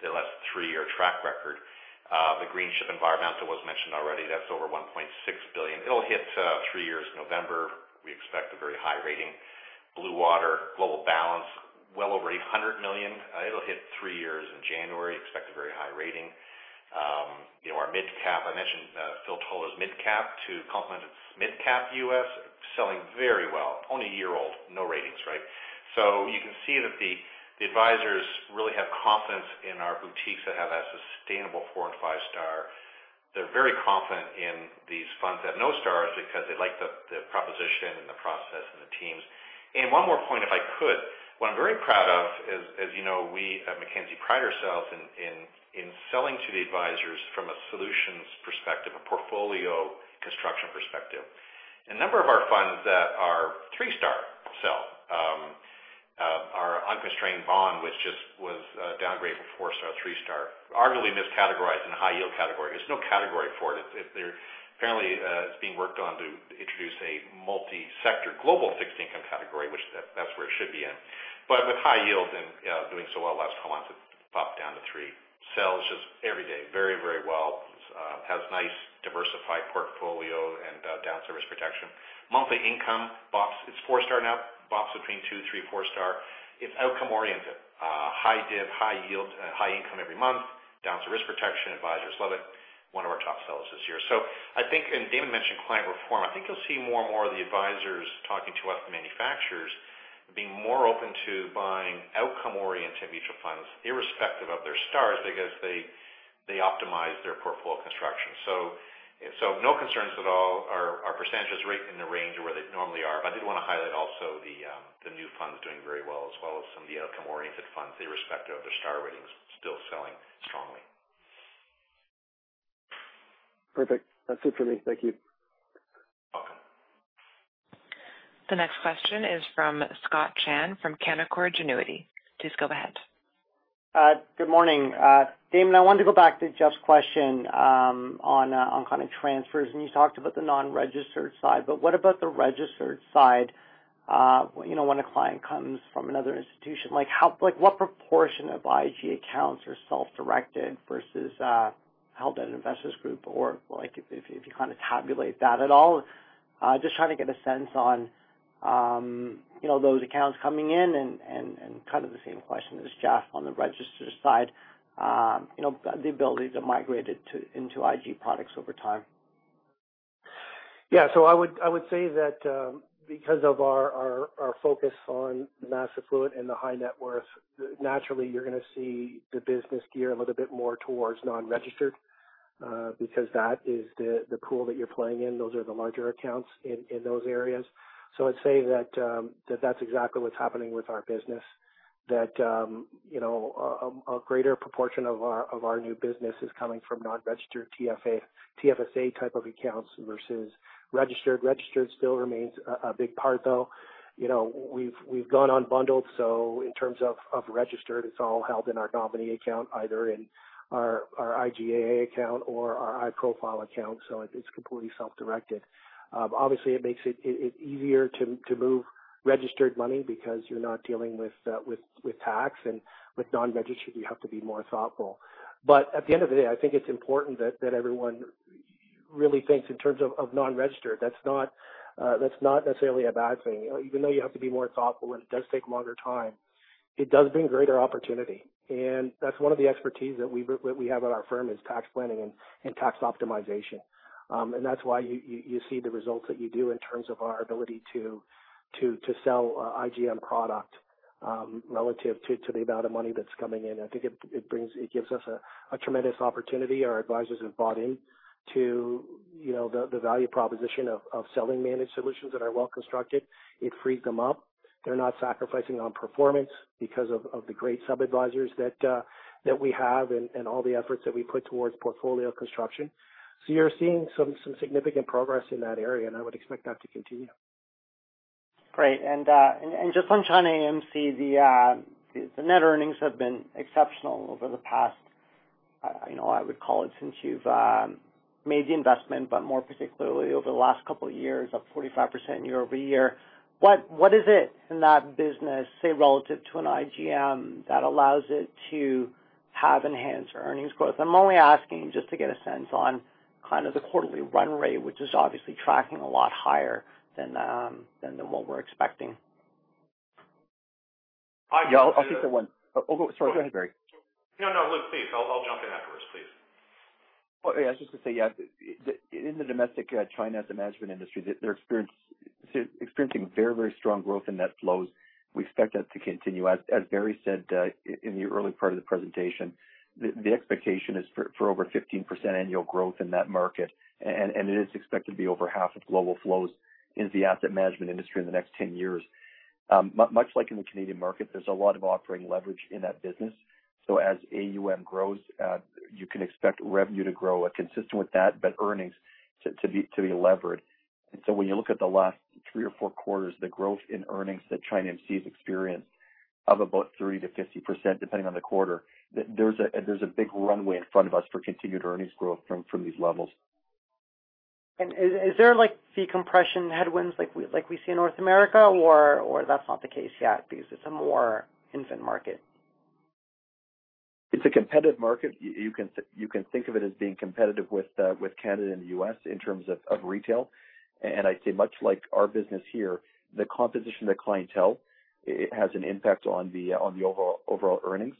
Speaker 5: they lack 3-year track record. The Greenchip Environmental was mentioned already. That's over 1.6 billion. It'll hit 3 years in November. We expect a very high rating. Bluewater Global Balanced, well over 100 million. It'll hit 3 years in January. Expect a very high rating. You know, our mid-cap, I mentioned, Phil Taller's mid-cap to complement mid-cap US, selling very well. Only a year old, no ratings, right? So you can see that the advisors really have confidence in our boutiques that have that sustainable four and five star. They're very confident in these funds that have no stars because they like the proposition and the process and the teams. And one more point, if I could. What I'm very proud of is, as you know, we at Mackenzie pride ourselves in selling to the advisors from a solutions perspective, a portfolio construction perspective. A number of our funds that are three star sell our unconstrained bond, which just was downgraded from four star to three star, arguably miscategorized in high yield category. There's no category for it. It apparently it's being worked on to introduce a multi-sector global fixed income category, which that's where it should be in. But with high yield and doing so well last couple months, it popped down to three. Sells just every day very, very well. Has nice diversified portfolio and downside protection. Monthly income box. It's four star now, hops between two, three, four star. It's outcome oriented, high div, high yield, high income every month, downside risk protection. Advisors love it. One of our top sellers this year. So I think, and Damon mentioned client reform, I think you'll see more and more of the advisors talking to us, manufacturers, being more open to buying outcome-oriented mutual funds irrespective of their stars, because they, they optimize their portfolio construction. So, so no concerns at all. Our percentages right in the range of where they normally are. But I did want to highlight also the new funds doing very well, as well as some of the outcome-oriented funds, irrespective of their star ratings, still selling strongly.
Speaker 10: Perfect. That's it for me. Thank you.
Speaker 5: Welcome.
Speaker 1: The next question is from Scott Chan from Canaccord Genuity. Please go ahead.
Speaker 11: Good morning. Damon, I wanted to go back to Jeff's question, on kind of transfers, and you talked about the non-registered side, but what about the registered side, you know, when a client comes from another institution, like, how, like, what proportion of IGA accounts are self-directed versus, held at an investors group? Or like, if you kind of tabulate that at all. Just trying to get a sense on, you know, those accounts coming in and, kind of the same question as Jeff on the registered side, you know, the ability to migrate it to, into IG products over time.
Speaker 4: Yeah. So I would say that because of our focus on mass affluent and the high-net-worth, naturally, you're going to see the business gear a little bit more towards non-registered because that is the pool that you're playing in. Those are the larger accounts in those areas. So I'd say that that's exactly what's happening with our business. That you know, a greater proportion of our new business is coming from non-registered TFA, TFSA type of accounts versus registered. Registered still remains a big part, though. You know, we've gone unbundled, so in terms of registered, it's all held in our nominee account, either in our IGA account or our iProfile account, so it's completely self-directed. Obviously, it makes it easier to move registered money because you're not dealing with tax and with non-registered; you have to be more thoughtful. But at the end of the day, I think it's important that everyone really thinks in terms of non-registered. That's not necessarily a bad thing. Even though you have to be more thoughtful, and it does take longer time, it does bring greater opportunity. And that's one of the expertise that we have at our firm, is tax planning and tax optimization. And that's why you see the results that you do in terms of our ability to sell IGM product relative to the amount of money that's coming in. I think it gives us a tremendous opportunity. Our advisors have bought in to, you know, the value proposition of selling managed solutions that are well constructed. It frees them up. They're not sacrificing on performance because of the great sub-advisors that we have and all the efforts that we put towards portfolio construction. So you're seeing some significant progress in that area, and I would expect that to continue.
Speaker 11: Great. And just on ChinaAMC, the net earnings have been exceptional over the past, you know, I would call it since you've made the investment, but more particularly over the last couple of years, up 45% year-over-year. What is it in that business, say, relative to an IGM, that allows it to have enhanced earnings growth? I'm only asking just to get a sense on kind of the quarterly run rate, which is obviously tracking a lot higher than what we're expecting.
Speaker 5: I-
Speaker 6: Yeah, I'll take that one. Oh, sorry, go ahead, Barry.
Speaker 5: No, no, Luke, please. I'll, I'll jump in afterwards. Please.
Speaker 6: In the domestic China asset management industry, they're experiencing very, very strong growth in net flows. We expect that to continue. As Barry said, in the early part of the presentation, the expectation is for over 15% annual growth in that market, and it is expected to be over half of global flows in the asset management industry in the next 10 years. Much like in the Canadian market, there's a lot of operating leverage in that business. So as AUM grows, you can expect revenue to grow consistent with that, but earnings to be levered. And so when you look at the last three or four quarters, the growth in earnings that ChinaAMC has experienced of about 30%-50%, depending on the quarter, there's a big runway in front of us for continued earnings growth from these levels.
Speaker 11: Is there like fee compression headwinds like we see in North America, or that's not the case yet because it's a more infant market?
Speaker 6: It's a competitive market. You can think of it as being competitive with Canada and the U.S. in terms of retail. And I'd say much like our business here, the composition of the clientele, it has an impact on the overall earnings.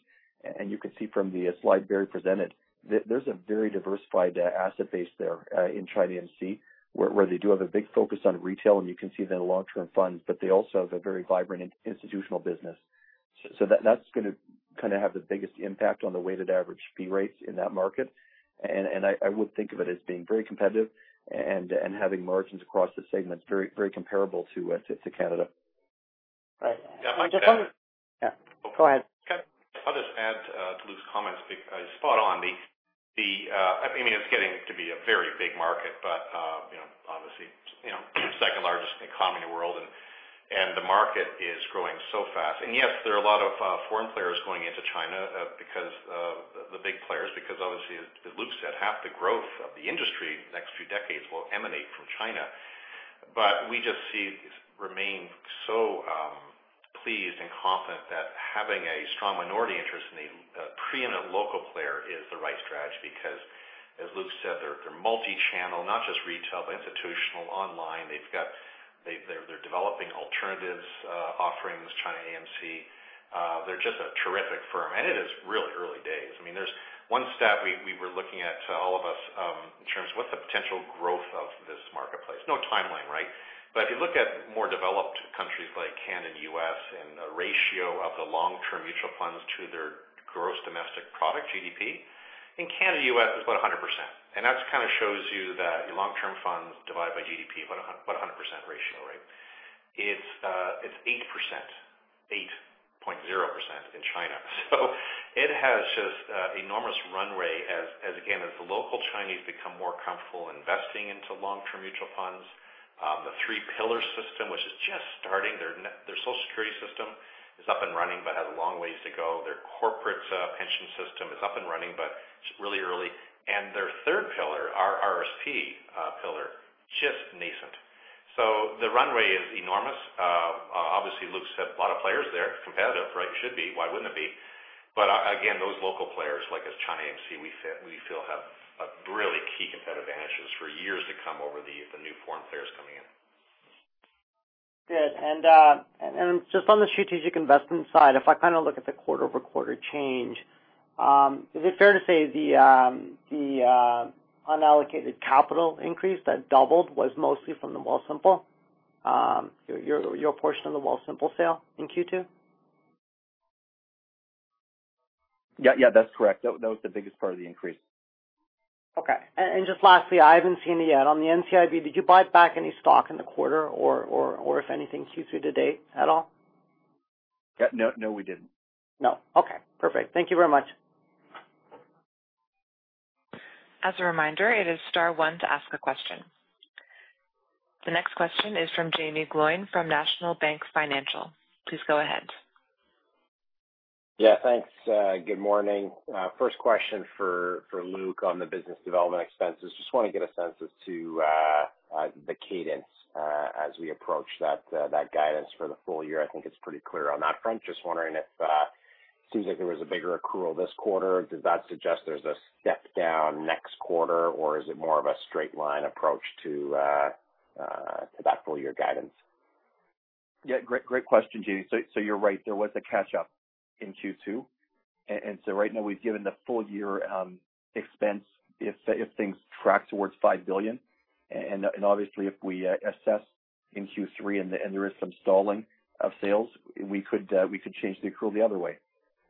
Speaker 6: And you can see from the slide Barry presented, there's a very diversified asset base there in ChinaAMC, where they do have a big focus on retail, and you can see that in long-term funds, but they also have a very vibrant institutional business. So that's gonna kind of have the biggest impact on the weighted average fee rates in that market. And I would think of it as being very competitive and having margins across the segments, very comparable to Canada.
Speaker 11: Right.
Speaker 5: Yeah, I just-
Speaker 11: Yeah, go ahead.
Speaker 5: I'll just add to Luke's comments spot on. I mean, it's getting to be a very big market, but, you know, obviously, you know, second largest economy in the world, and the market is growing so fast. And yes, there are a lot of foreign players going into China because of the big players, because obviously, as Luke said, half the growth of the industry the next few decades will emanate from China. But we just remain so pleased and confident that having a strong minority interest in the ChinaAMC, a local player, is the right strategy. Because, as Luke said, they're multi-channel, not just retail, but institutional, online. They're developing alternatives offerings, ChinaAMC. They're just a terrific firm, and it is really early days. I mean, there's one stat we were looking at to all of us, in terms of what's the potential growth of this marketplace? No timeline, right? But if you look at more developed countries like Canada, U.S., and the ratio of the long-term mutual funds to their gross domestic product, GDP, in Canada, U.S., it's about 100%. And that's kind of shows you that your long-term funds divided by GDP, about a 100% ratio, right? It's eight percent, 8.0% in China. So it has just enormous runway as again as the local Chinese become more comfortable investing into long-term mutual funds. The three pillar system, which is just starting, their social security system is up and running, but has a long ways to go. Their corporate pension system is up and running, but it's really early. And their third pillar, our RSP pillar, just nascent. So the runway is enormous. Obviously, Luke said a lot of players there. Competitive, right? Should be. Why wouldn't it be? But again, those local players, like as ChinaAMC, we feel, have a really key competitive advantages for years to come over the new foreign players coming in.
Speaker 11: Good. And just on the strategic investment side, if I kind of look at the quarter-over-quarter change, is it fair to say the unallocated capital increase that doubled was mostly from the Wealthsimple? Your portion of the Wealthsimple sale in Q2.
Speaker 6: Yeah, yeah, that's correct. That, that was the biggest part of the increase.
Speaker 11: Okay. And just lastly, I haven't seen it yet. On the NCIB, did you buy back any stock in the quarter or, if anything, Q3 to date at all?
Speaker 6: Yeah. No, no, we didn't.
Speaker 11: No. Okay, perfect. Thank you very much.
Speaker 1: As a reminder, it is star one to ask a question. The next question is from Jaeme Gloyn from National Bank Financial. Please go ahead.
Speaker 12: Yeah, thanks. Good morning. First question for Luke on the business development expenses. Just want to get a sense as to the cadence as we approach that guidance for the full year. I think it's pretty clear on that front. Just wondering if seems like there was a bigger accrual this quarter. Does that suggest there's a step down next quarter, or is it more of a straight line approach to to that full year guidance?
Speaker 6: Yeah, great, great question, Jamie. So, you're right, there was a catch up in Q2. And so right now we've given the full year expense if things track towards 5 billion. And obviously, if we assess in Q3 and there is some stalling of sales, we could change the accrual the other way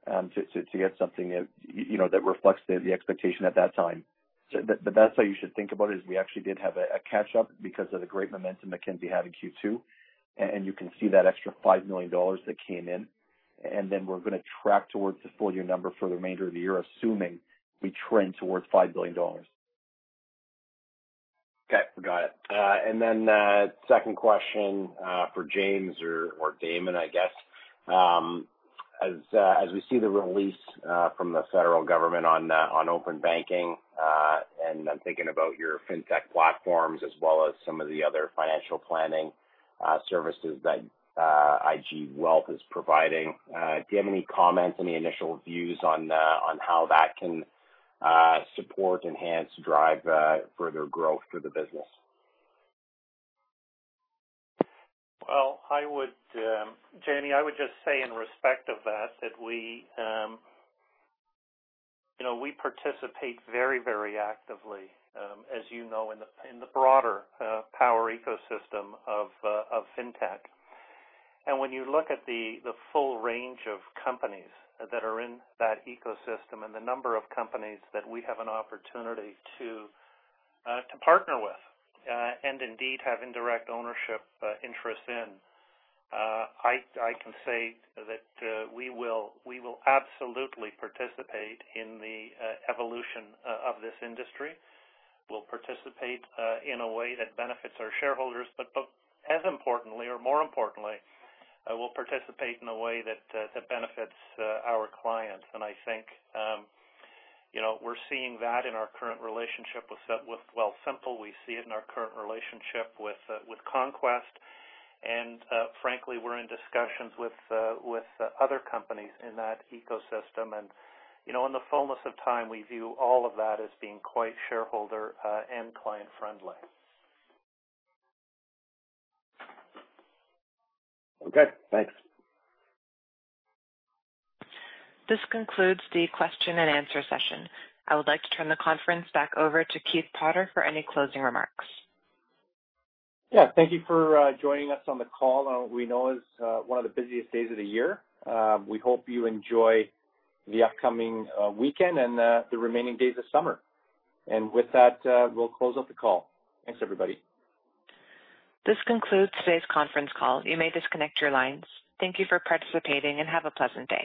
Speaker 6: to get something that you know that reflects the expectation at that time. So the best way you should think about it is we actually did have a catch up because of the great momentum that Mackenzie had in Q2, and you can see that extra 5 million dollars that came in. And then we're going to track towards the full year number for the remainder of the year, assuming we trend towards 5 billion dollars.
Speaker 12: Okay, got it. And then, second question, for James or, or Damon, I guess. As, as we see the release, from the federal government on, on open banking, and I'm thinking about your fintech platforms as well as some of the other financial planning, services that, IG Wealth is providing. Do you have any comments, any initial views on, on how that can, support, enhance, drive, further growth to the business?
Speaker 3: Well, I would, Jaeme, I would just say in respect of that, that we, you know, we participate very, very actively, as you know, in the, in the broader, Power ecosystem of, of fintech. And when you look at the, the full range of companies that are in that ecosystem, and the number of companies that we have an opportunity to, to partner with, and indeed have indirect ownership, interest in, I, I can say that, we will, we will absolutely participate in the, evolution of this industry. We'll participate, in a way that benefits our shareholders, but, but as importantly or more importantly, we'll participate in a way that, that benefits, our clients. And I think, you know, we're seeing that in our current relationship with with Wealthsimple. We see it in our current relationship with Conquest, and frankly, we're in discussions with other companies in that ecosystem. And, you know, in the fullness of time, we view all of that as being quite shareholder and client friendly.
Speaker 12: Okay, thanks.
Speaker 1: This concludes the question and answer session. I would like to turn the conference back over to Keith Potter for any closing remarks.
Speaker 2: Yeah, thank you for joining us on the call on what we know is one of the busiest days of the year. We hope you enjoy the upcoming weekend and the remaining days of summer. With that, we'll close out the call. Thanks, everybody.
Speaker 1: This concludes today's conference call. You may disconnect your lines. Thank you for participating and have a pleasant day.